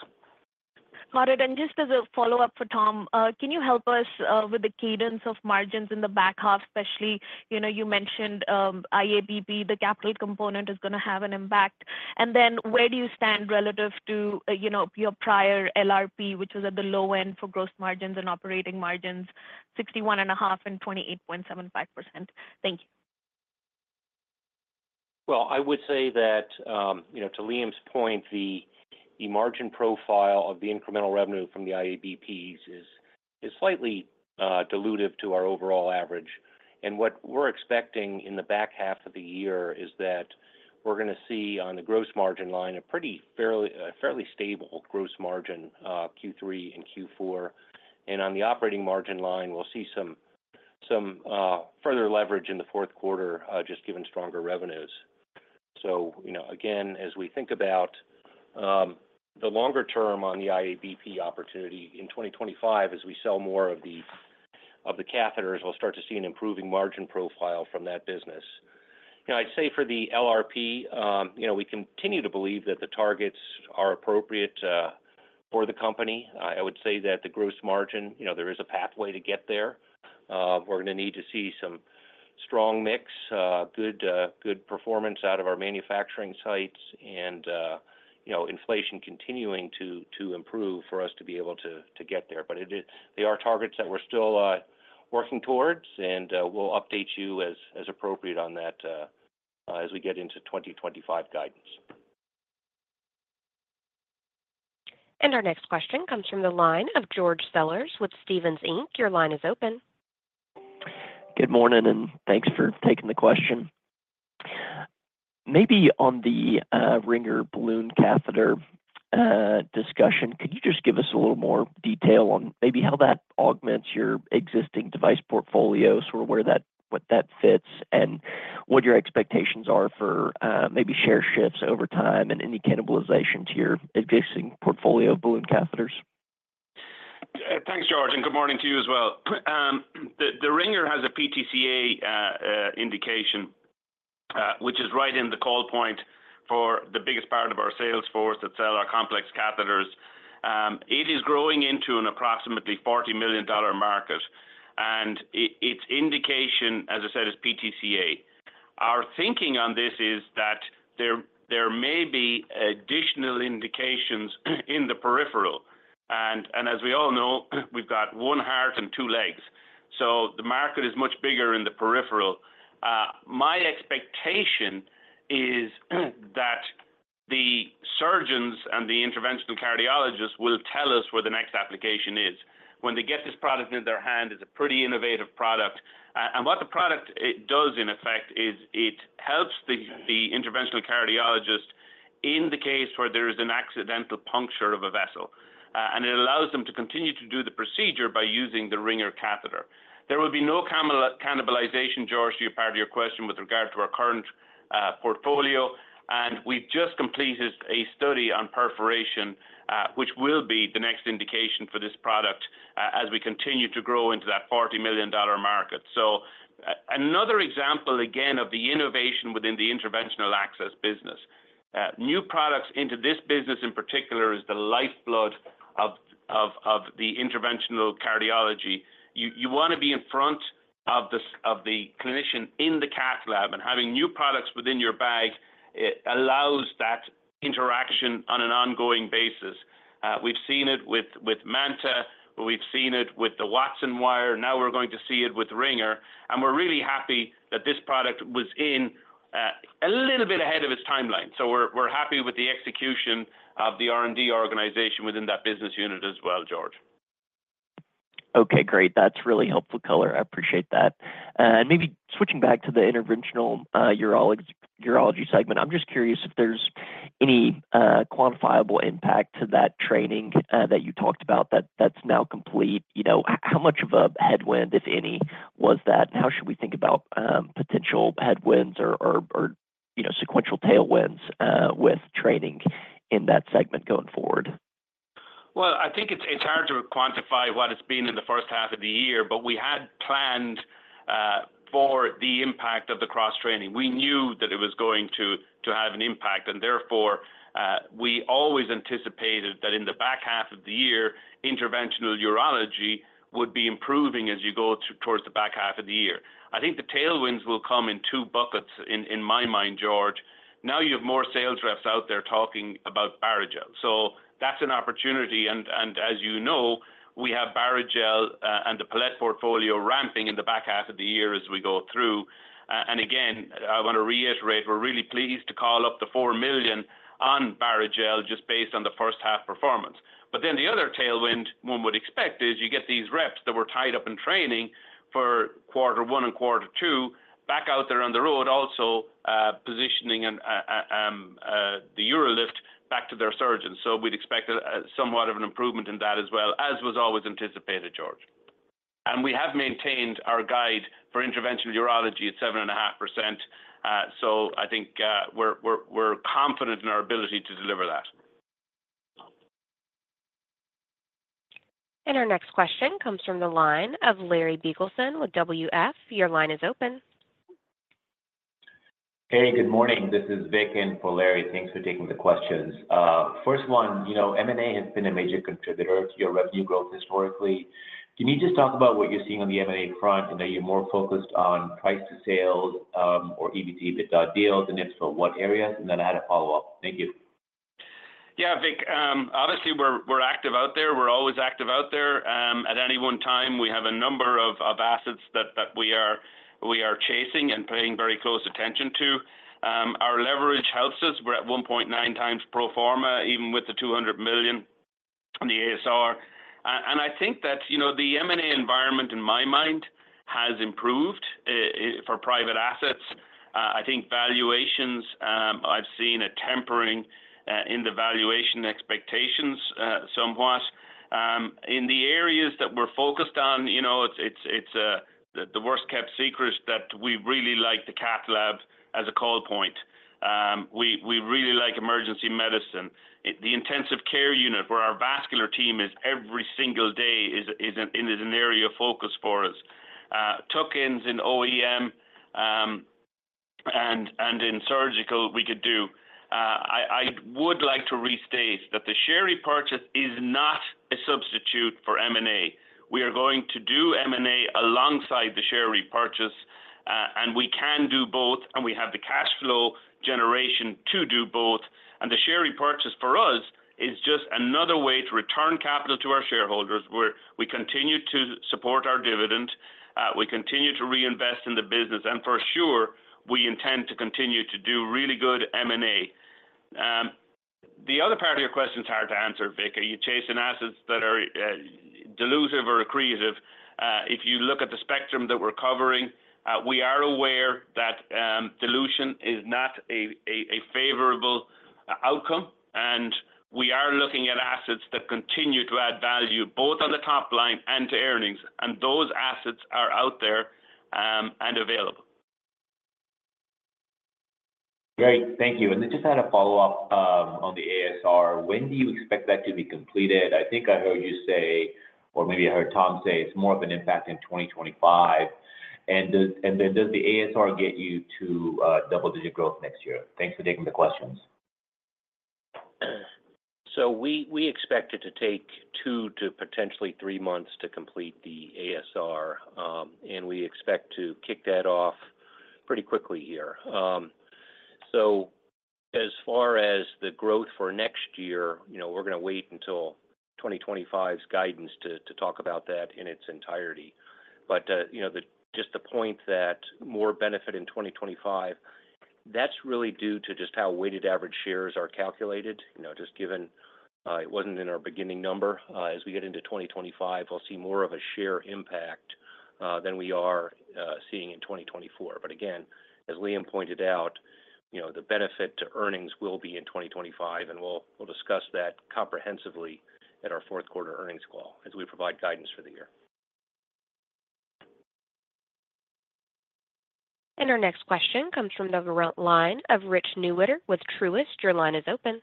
Got it, and just as a follow-up for Tom, can you help us with the cadence of margins in the back half, especially, you know, you mentioned IABP, the capital component is going to have an impact. And then where do you stand relative to, you know, your prior LRP, which was at the low end for gross margins and operating margins, 61.5% and 28.75%? Thank you. Well, I would say that, you know, to Liam's point, the margin profile of the incremental revenue from the IABPs is-... is slightly dilutive to our overall average. What we're expecting in the back half of the year is that we're gonna see, on the gross margin line, a pretty fairly, fairly stable gross margin, Q3 and Q4. On the operating margin line, we'll see some further leverage in the fourth quarter, just given stronger revenues. You know, again, as we think about the longer term on the IABP opportunity in 2025, as we sell more of the catheters, we'll start to see an improving margin profile from that business. You know, I'd say for the LRP, you know, we continue to believe that the targets are appropriate for the company. I would say that the gross margin, you know, there is a pathway to get there. We're gonna need to see some strong mix, good, good performance out of our manufacturing sites and, you know, inflation continuing to improve for us to be able to get there. But it is. They are targets that we're still working towards, and we'll update you as appropriate on that, as we get into 2025 guidance. Our next question comes from the line of George Sellers with Stephens Inc. Your line is open. Good morning, and thanks for taking the question. Maybe on the, Ringer balloon catheter, discussion, could you just give us a little more detail on maybe how that augments your existing device portfolio, so where that... what that fits? And what your expectations are for, maybe share shifts over time and any cannibalization to your existing portfolio of balloon catheters? Thanks, George, and good morning to you as well. The Ringer has a PTCA indication, which is right in the call point for the biggest part of our sales force that sell our complex catheters. It is growing into an approximately $40 million market, and its indication, as I said, is PTCA. Our thinking on this is that there may be additional indications in the peripheral, and as we all know, we've got one heart and two legs, so the market is much bigger in the peripheral. My expectation is that the surgeons and the interventional cardiologists will tell us where the next application is. When they get this product in their hand, it's a pretty innovative product. And what the product does in effect is it helps the interventional cardiologist in the case where there is an accidental puncture of a vessel, and it allows them to continue to do the procedure by using the Ringer catheter. There will be no cannibalization, George, to your part of your question, with regard to our current portfolio, and we've just completed a study on perforation, which will be the next indication for this product as we continue to grow into that $40 million market. So another example, again, of the innovation within the interventional access business. New products into this business, in particular, is the lifeblood of the interventional cardiology. You want to be in front of the clinician in the cath lab, and having new products within your bag, it allows that interaction on an ongoing basis. We've seen it with MANTA, we've seen it with the Wattson wire, now we're going to see it with Ringer. And we're really happy that this product was in a little bit ahead of its timeline. So we're happy with the execution of the R&D organization within that business unit as well, George. Okay, great. That's really helpful color. I appreciate that. Maybe switching back to the interventional urology segment. I'm just curious if there's any quantifiable impact to that training that you talked about that's now complete. You know, how much of a headwind, if any, was that? How should we think about potential headwinds or, you know, sequential tailwinds with training in that segment going forward? Well, I think it's hard to quantify what it's been in the first half of the year, but we had planned for the impact of the cross-training. We knew that it was going to have an impact, and therefore we always anticipated that in the back half of the year, interventional urology would be improving as you go towards the back half of the year. I think the tailwinds will come in two buckets in my mind, George. Now you have more sales reps out there talking about Barrigel, so that's an opportunity. And as you know, we have Barrigel and the Palette portfolio ramping in the back half of the year as we go through. And again, I want to reiterate, we're really pleased to call up the $4 million on Barrigel just based on the first half performance. But then the other tailwind one would expect is you get these reps that were tied up in training for quarter one and quarter two, back out there on the road, also, positioning the UroLift back to their surgeons. So we'd expect, somewhat of an improvement in that as well, as was always anticipated, George. And we have maintained our guide for interventional urology at 7.5%, so I think, we're confident in our ability to deliver that. Our next question comes from the line of Larry Biegelsen with WF. Your line is open. Hey, good morning. This is Vic in for Larry. Thanks for taking the questions. First one, you know, M&A has been a major contributor to your revenue growth historically. Can you just talk about what you're seeing on the M&A front, and are you more focused on price to sales, or EBIT, EBITDA deals, and if so, what areas? And then I had a follow-up. Thank you. Yeah, Vic, obviously, we're active out there. We're always active out there. At any one time, we have a number of assets that we are chasing and paying very close attention to. Our leverage helps us. We're at 1.9 times pro forma, even with the $200 million on the ASR. And I think that, you know, the M&A environment in my mind has improved in for private assets. I think valuations, I've seen a tempering in the valuation expectations, somewhat. In the areas that we're focused on, you know, it's the worst-kept secret that we really like the cath lab as a call point. We really like emergency medicine. The intensive care unit, where our vascular team is every single day, is an area of focus for us. Though in OEM and in surgical, we could do. I would like to restate that the share repurchase is not a substitute for M&A. We are going to do M&A alongside the share repurchase, and we can do both, and we have the cash flow generation to do both. The share repurchase for us is just another way to return capital to our shareholders, where we continue to support our dividend, we continue to reinvest in the business, and for sure, we intend to continue to do really good M&A. The other part of your question is hard to answer, Vic. You're chasing assets that are dilutive or accretive. If you look at the spectrum that we're covering, we are aware that dilution is not a favorable outcome, and we are looking at assets that continue to add value, both on the top line and to earnings, and those assets are out there and available. Great, thank you. And then just had a follow-up on the ASR. When do you expect that to be completed? I think I heard you say, or maybe I heard Tom say, it's more of an impact in 2025. And then does the ASR get you to double-digit growth next year? Thanks for taking the questions. So we expect it to take two to potentially three months to complete the ASR, and we expect to kick that off pretty quickly here. So as far as the growth for next year, you know, we're going to wait until 2025's guidance to talk about that in its entirety. But, you know, the just the point that more benefit in 2025, that's really due to just how weighted average shares are calculated. You know, just given, it wasn't in our beginning number. As we get into 2025, we'll see more of a share impact than we are seeing in 2024. But again, as Liam pointed out, you know, the benefit to earnings will be in 2025, and we'll discuss that comprehensively at our fourth quarter earnings call as we provide guidance for the year. Our next question comes from the line of Richard Newitter with Truist. Your line is open.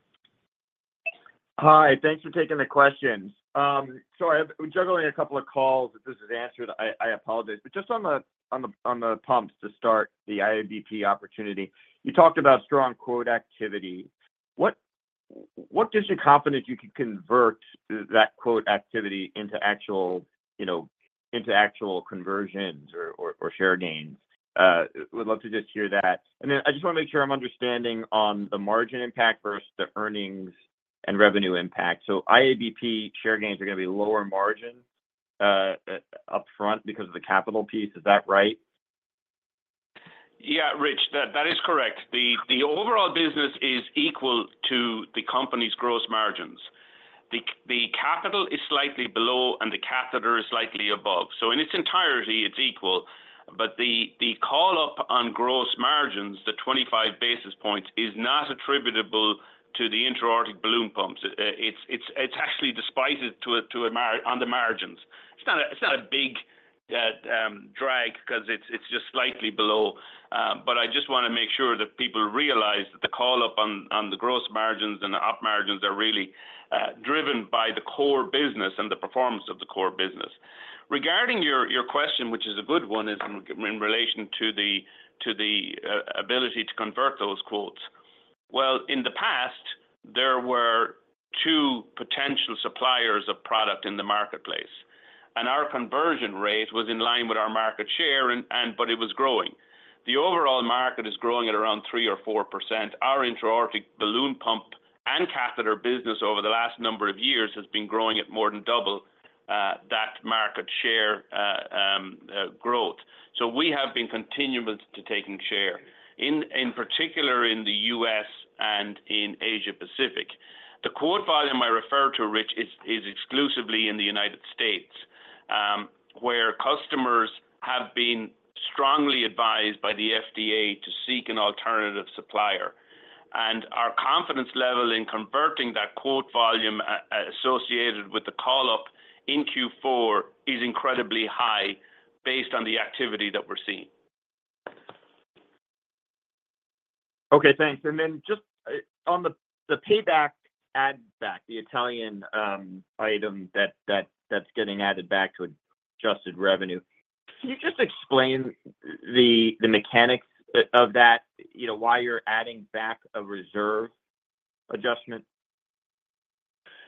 Hi, thanks for taking the question. So I have—I'm juggling a couple of calls. If this is answered, I apologize. But just on the pumps to start the IABP opportunity, you talked about strong quote activity. What gives you confidence you can convert that quote activity into actual, you know, into actual conversions or share gains? Would love to just hear that. And then I just want to make sure I'm understanding on the margin impact versus the earnings and revenue impact. So IABP share gains are going to be lower margin upfront because of the capital piece. Is that right? Yeah, Rich, that is correct. The overall business is equal to the company's gross margins. The capital is slightly below and the catheter is slightly above. So in its entirety, it's equal, but the call-up on gross margins, the 25 basis points, is not attributable to the intra-aortic balloon pumps. It's actually despite it to a margin on the margins. It's not a big drag because it's just slightly below. But I just want to make sure that people realize that the call-up on the gross margins and the op margins are really driven by the core business and the performance of the core business. Regarding your question, which is a good one, is in relation to the ability to convert those quotes. Well, in the past, there were two potential suppliers of product in the marketplace, and our conversion rate was in line with our market share and, but it was growing. The overall market is growing at around 3% or 4%. Our intra-aortic balloon pump and catheter business over the last number of years has been growing at more than double that market share growth. So we have been continuing to taking share, in particular in the U.S. and in Asia Pacific. The quote volume I refer to, Rich, is exclusively in the United States, where customers have been strongly advised by the FDA to seek an alternative supplier. And our confidence level in converting that quote volume associated with the call up in Q4 is incredibly high based on the activity that we're seeing. Okay, thanks. Then just on the payback add back, the Italian item that's getting added back to adjusted revenue, can you just explain the mechanics of that, you know, why you're adding back a reserve adjustment?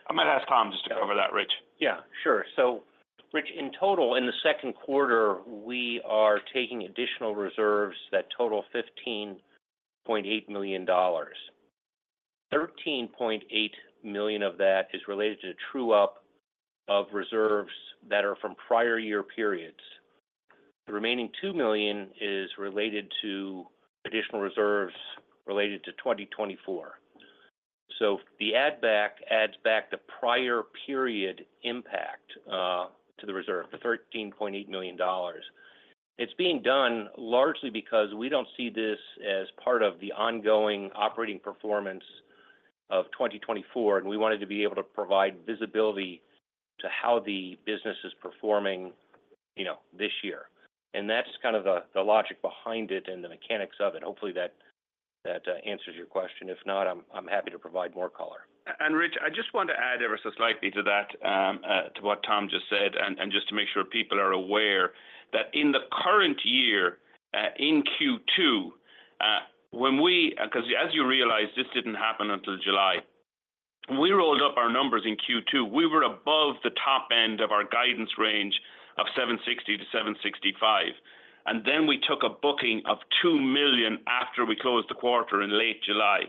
I might ask Tom just to cover that, Rich. Yeah, sure. So Rich, in total, in the second quarter, we are taking additional reserves that total $15.8 million. Thirteen point eight million of that is related to true up of reserves that are from prior year periods. The remaining $2 million is related to additional reserves related to 2024. So the add back adds back the prior period impact to the reserve, the $13.8 million. It's being done largely because we don't see this as part of the ongoing operating performance of 2024, and we wanted to be able to provide visibility to how the business is performing, you know, this year. And that's kind of the logic behind it and the mechanics of it. Hopefully that answers your question. If not, I'm happy to provide more color. Rich, I just want to add ever so slightly to that, to what Tom just said, and just to make sure people are aware that in the current year, in Q2, when we 'cause as you realize, this didn't happen until July. When we rolled up our numbers in Q2, we were above the top end of our guidance range of $7.60-$7.65, and then we took a booking of $2 million after we closed the quarter in late July.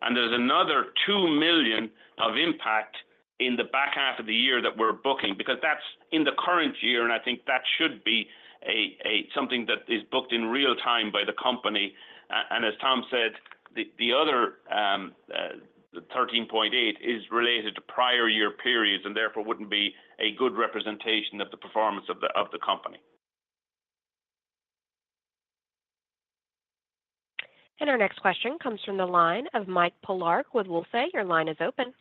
And there's another $2 million of impact in the back half of the year that we're booking, because that's in the current year, and I think that should be a something that is booked in real time by the company. And as Tom said, the other 13.8 is related to prior year periods, and therefore wouldn't be a good representation of the performance of the company. Our next question comes from the line of Mike Polark with Wolfe Research. Your line is open.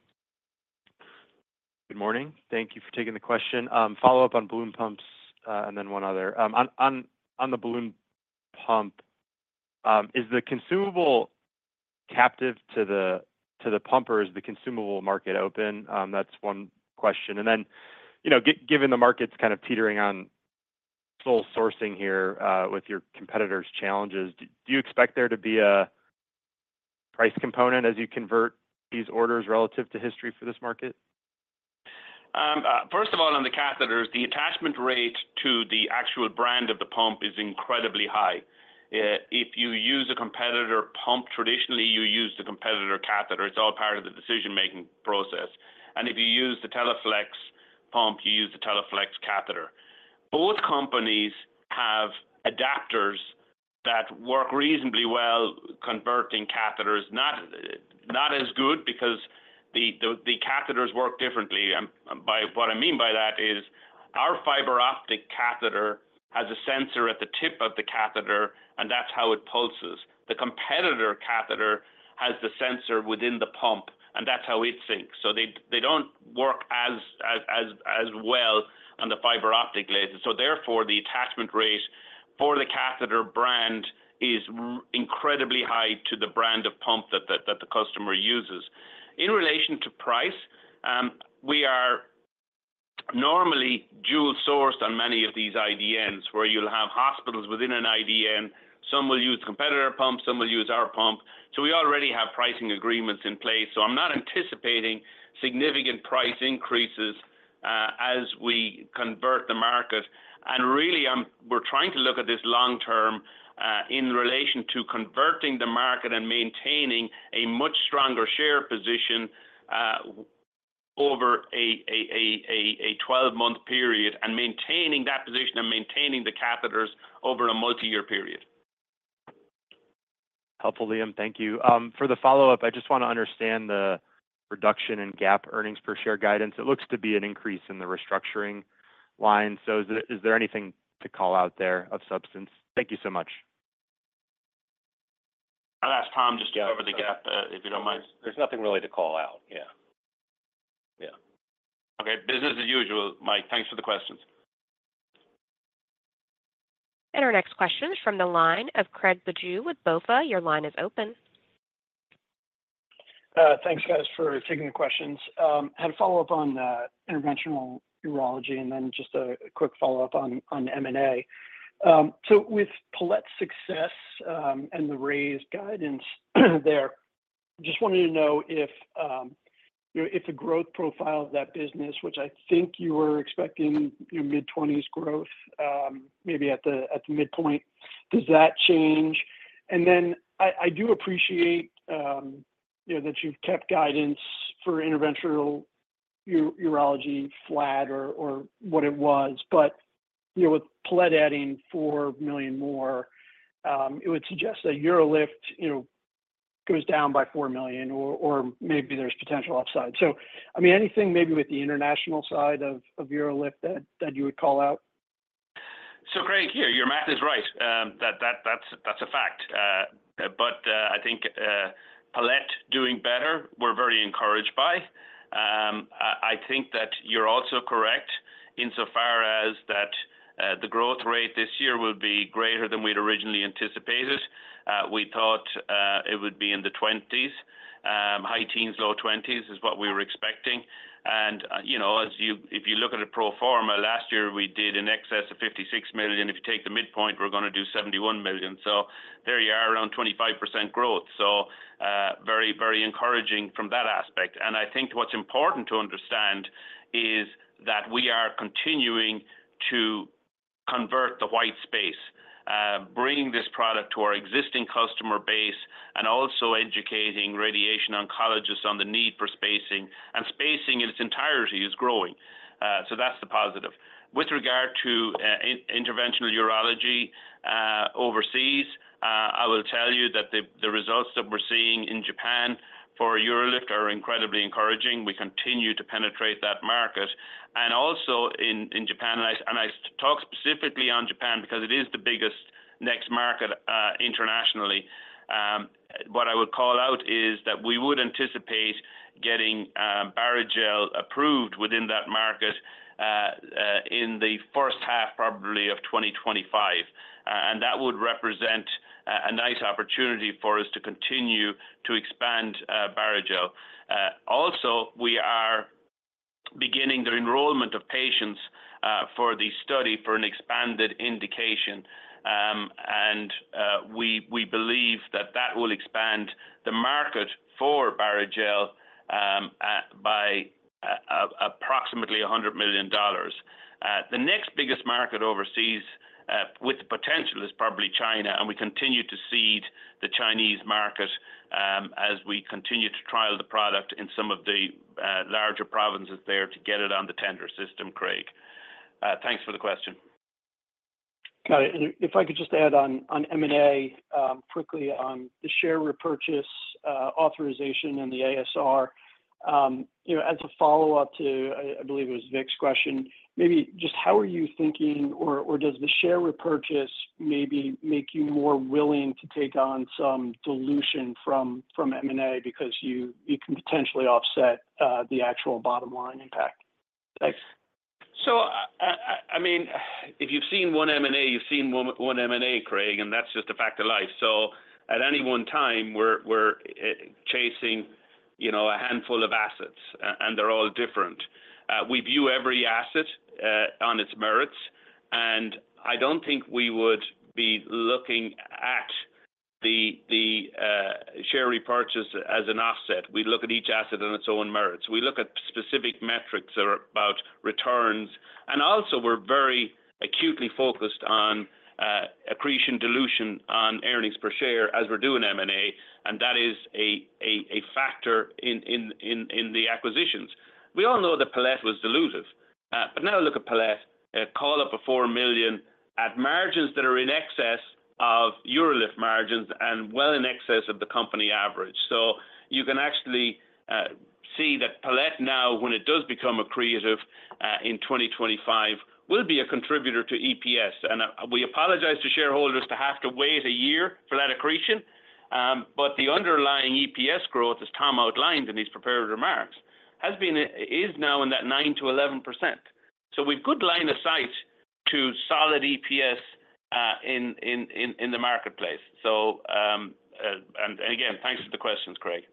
Good morning. Thank you for taking the question. Follow up on balloon pumps, and then one other. On the balloon pump, is the consumable captive to the pump, or is the consumable market open? That's one question. And then, you know, given the market's kind of teetering on sole sourcing here, with your competitors' challenges, do you expect there to be a price component as you convert these orders relative to history for this market? First of all, on the catheters, the attachment rate to the actual brand of the pump is incredibly high. If you use a competitor pump, traditionally, you use the competitor catheter. It's all part of the decision-making process. And if you use the Teleflex pump, you use the Teleflex catheter. Both companies have adapters that work reasonably well converting catheters, not as good because the, the, the catheters work differently. What I mean by that is, our fiberoptic catheter has a sensor at the tip of the catheter, and that's how it pulses. The competitor catheter has the sensor within the pump, and that's how it syncs. So they don't work as well on the fiberoptic laser. So therefore, the attachment rate for the catheter brand is incredibly high to the brand of pump that the, that the customer uses. In relation to price, we are normally dual sourced on many of these IDNs, where you'll have hospitals within an IDN. Some will use competitor pumps, some will use our pump. So we already have pricing agreements in place, so I'm not anticipating significant price increases as we convert the market. And really, we're trying to look at this long term, in relation to converting the market and maintaining a much stronger share position over a 12-month period, and maintaining that position and maintaining the catheters over a multi-year period. Helpful, Liam. Thank you. For the follow-up, I just want to understand the reduction in GAAP earnings per share guidance. It looks to be an increase in the restructuring line. So is there anything to call out there of substance? Thank you so much. I'll ask Tom just to cover the GAAP, if you don't mind. There's nothing really to call out. Yeah. Yeah. Okay. Business as usual, Mike. Thanks for the questions. Our next question is from the line of Craig Bijou with BofA. Your line is open. Thanks, guys, for taking the questions. I had a follow-up on interventional urology and then just a quick follow-up on M&A. So with Palette success and the raised guidance there, just wanted to know if you know if the growth profile of that business, which I think you were expecting, you know, mid-twenties growth, maybe at the midpoint, does that change? And then I do appreciate you know that you've kept guidance for interventional urology flat or what it was, but you know with Palette adding $4 million more, it would suggest that UroLift you know goes down by $4 million or maybe there's potential upside. So, I mean, anything maybe with the international side of UroLift that you would call out? So, Craig, yeah, your math is right. That, that's a fact. But I think Palette doing better, we're very encouraged by. I think that you're also correct insofar as that the growth rate this year will be greater than we'd originally anticipated. We thought it would be in the 20s. High teens, low 20s is what we were expecting. And you know, as you-- if you look at a pro forma, last year, we did in excess of $56 million. If you take the midpoint, we're gonna do $71 million. So there you are, around 25% growth. So very, very encouraging from that aspect. And I think what's important to understand is that we are continuing to-... the white space, bringing this product to our existing customer base and also educating radiation oncologists on the need for spacing, and spacing in its entirety is growing. So that's the positive. With regard to interventional urology overseas, I will tell you that the results that we're seeing in Japan for UroLift are incredibly encouraging. We continue to penetrate that market. And also in Japan, I talk specifically on Japan because it is the biggest next market internationally. What I would call out is that we would anticipate getting Barrigel approved within that market in the first half, probably, of 2025. And that would represent a nice opportunity for us to continue to expand Barrigel. Also, we are beginning the enrollment of patients for the study for an expanded indication. We believe that will expand the market for Barrigel by approximately $100 million. The next biggest market overseas with potential is probably China, and we continue to seed the Chinese market as we continue to trial the product in some of the larger provinces there to get it on the tender system, Craig. Thanks for the question. Got it. And if I could just add on, on M&A, quickly on the share repurchase authorization and the ASR. You know, as a follow-up to, I believe it was Vic's question, maybe just how are you thinking or does the share repurchase maybe make you more willing to take on some dilution from M&A because you can potentially offset the actual bottom line impact? Thanks. So, I mean, if you've seen one M&A, you've seen one M&A, Craig, and that's just a fact of life. So at any one time, we're chasing, you know, a handful of assets, and they're all different. We view every asset on its merits, and I don't think we would be looking at the share repurchase as an asset. We look at each asset on its own merits. We look at specific metrics that are about returns, and also we're very acutely focused on accretion, dilution, on earnings per share as we're doing M&A, and that is a factor in the acquisitions. We all know that Palette was dilutive, but now look at Palette, called up $4 million at margins that are in excess of UroLift margins and well in excess of the company average. So you can actually see that Palette now, when it does become accretive, in 2025, will be a contributor to EPS. And, we apologize to shareholders to have to wait a year for that accretion, but the underlying EPS growth, as Tom outlined in his prepared remarks, has been... is now in that 9%-11%. So we've good line of sight to solid EPS, in the marketplace. So, and again, thanks for the questions, Craig.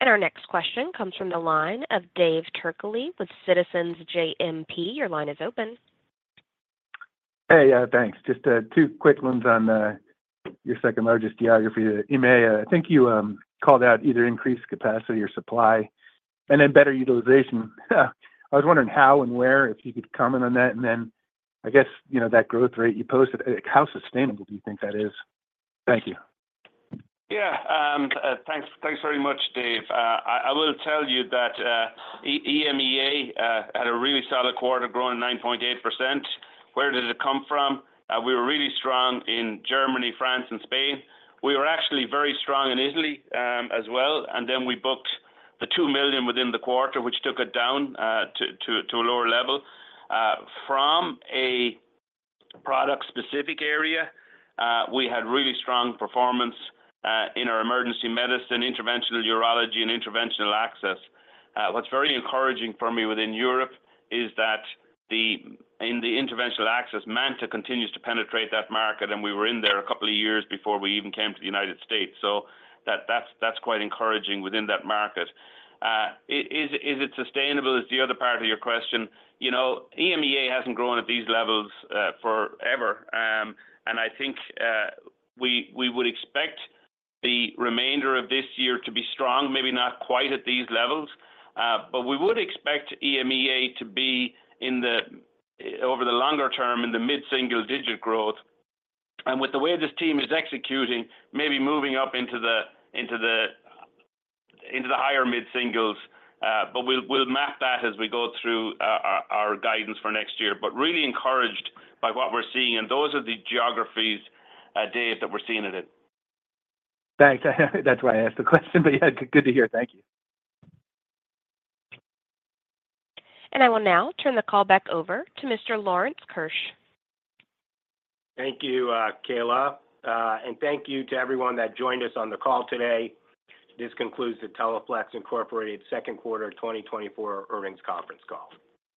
Our next question comes from the line of David Turkaly with Citizens JMP. Your line is open. Hey, thanks. Just two quick ones on your second-largest geography, EMEA. I think you called out either increased capacity or supply and then better utilization. I was wondering how and where, if you could comment on that, and then I guess, you know, that growth rate you posted, how sustainable do you think that is? Thank you. Yeah, thanks very much, Dave. I will tell you that EMEA had a really solid quarter, growing 9.8%. Where did it come from? We were really strong in Germany, France, and Spain. We were actually very strong in Italy as well, and then we booked the $2 million within the quarter, which took it down to a lower level. From a product-specific area, we had really strong performance in our emergency medicine, interventional urology, and interventional access. What's very encouraging for me within Europe is that in the interventional access, Manta continues to penetrate that market, and we were in there a couple of years before we even came to the United States. So that's quite encouraging within that market. Is it sustainable is the other part of your question. You know, EMEA hasn't grown at these levels forever, and I think we would expect the remainder of this year to be strong, maybe not quite at these levels. But we would expect EMEA to be in the over the longer term in the mid-single-digit growth, and with the way this team is executing, maybe moving up into the higher mid-singles. But we'll map that as we go through our guidance for next year. But really encouraged by what we're seeing, and those are the geographies, Dave, that we're seeing it in. Thanks. That's why I asked the question, but, yeah, good to hear. Thank you. I will now turn the call back over to Mr. Lawrence Keusch. Thank you, Kayla, and thank you to everyone that joined us on the call today. This concludes the Teleflex Incorporated Second Quarter 2024 Earnings Conference Call.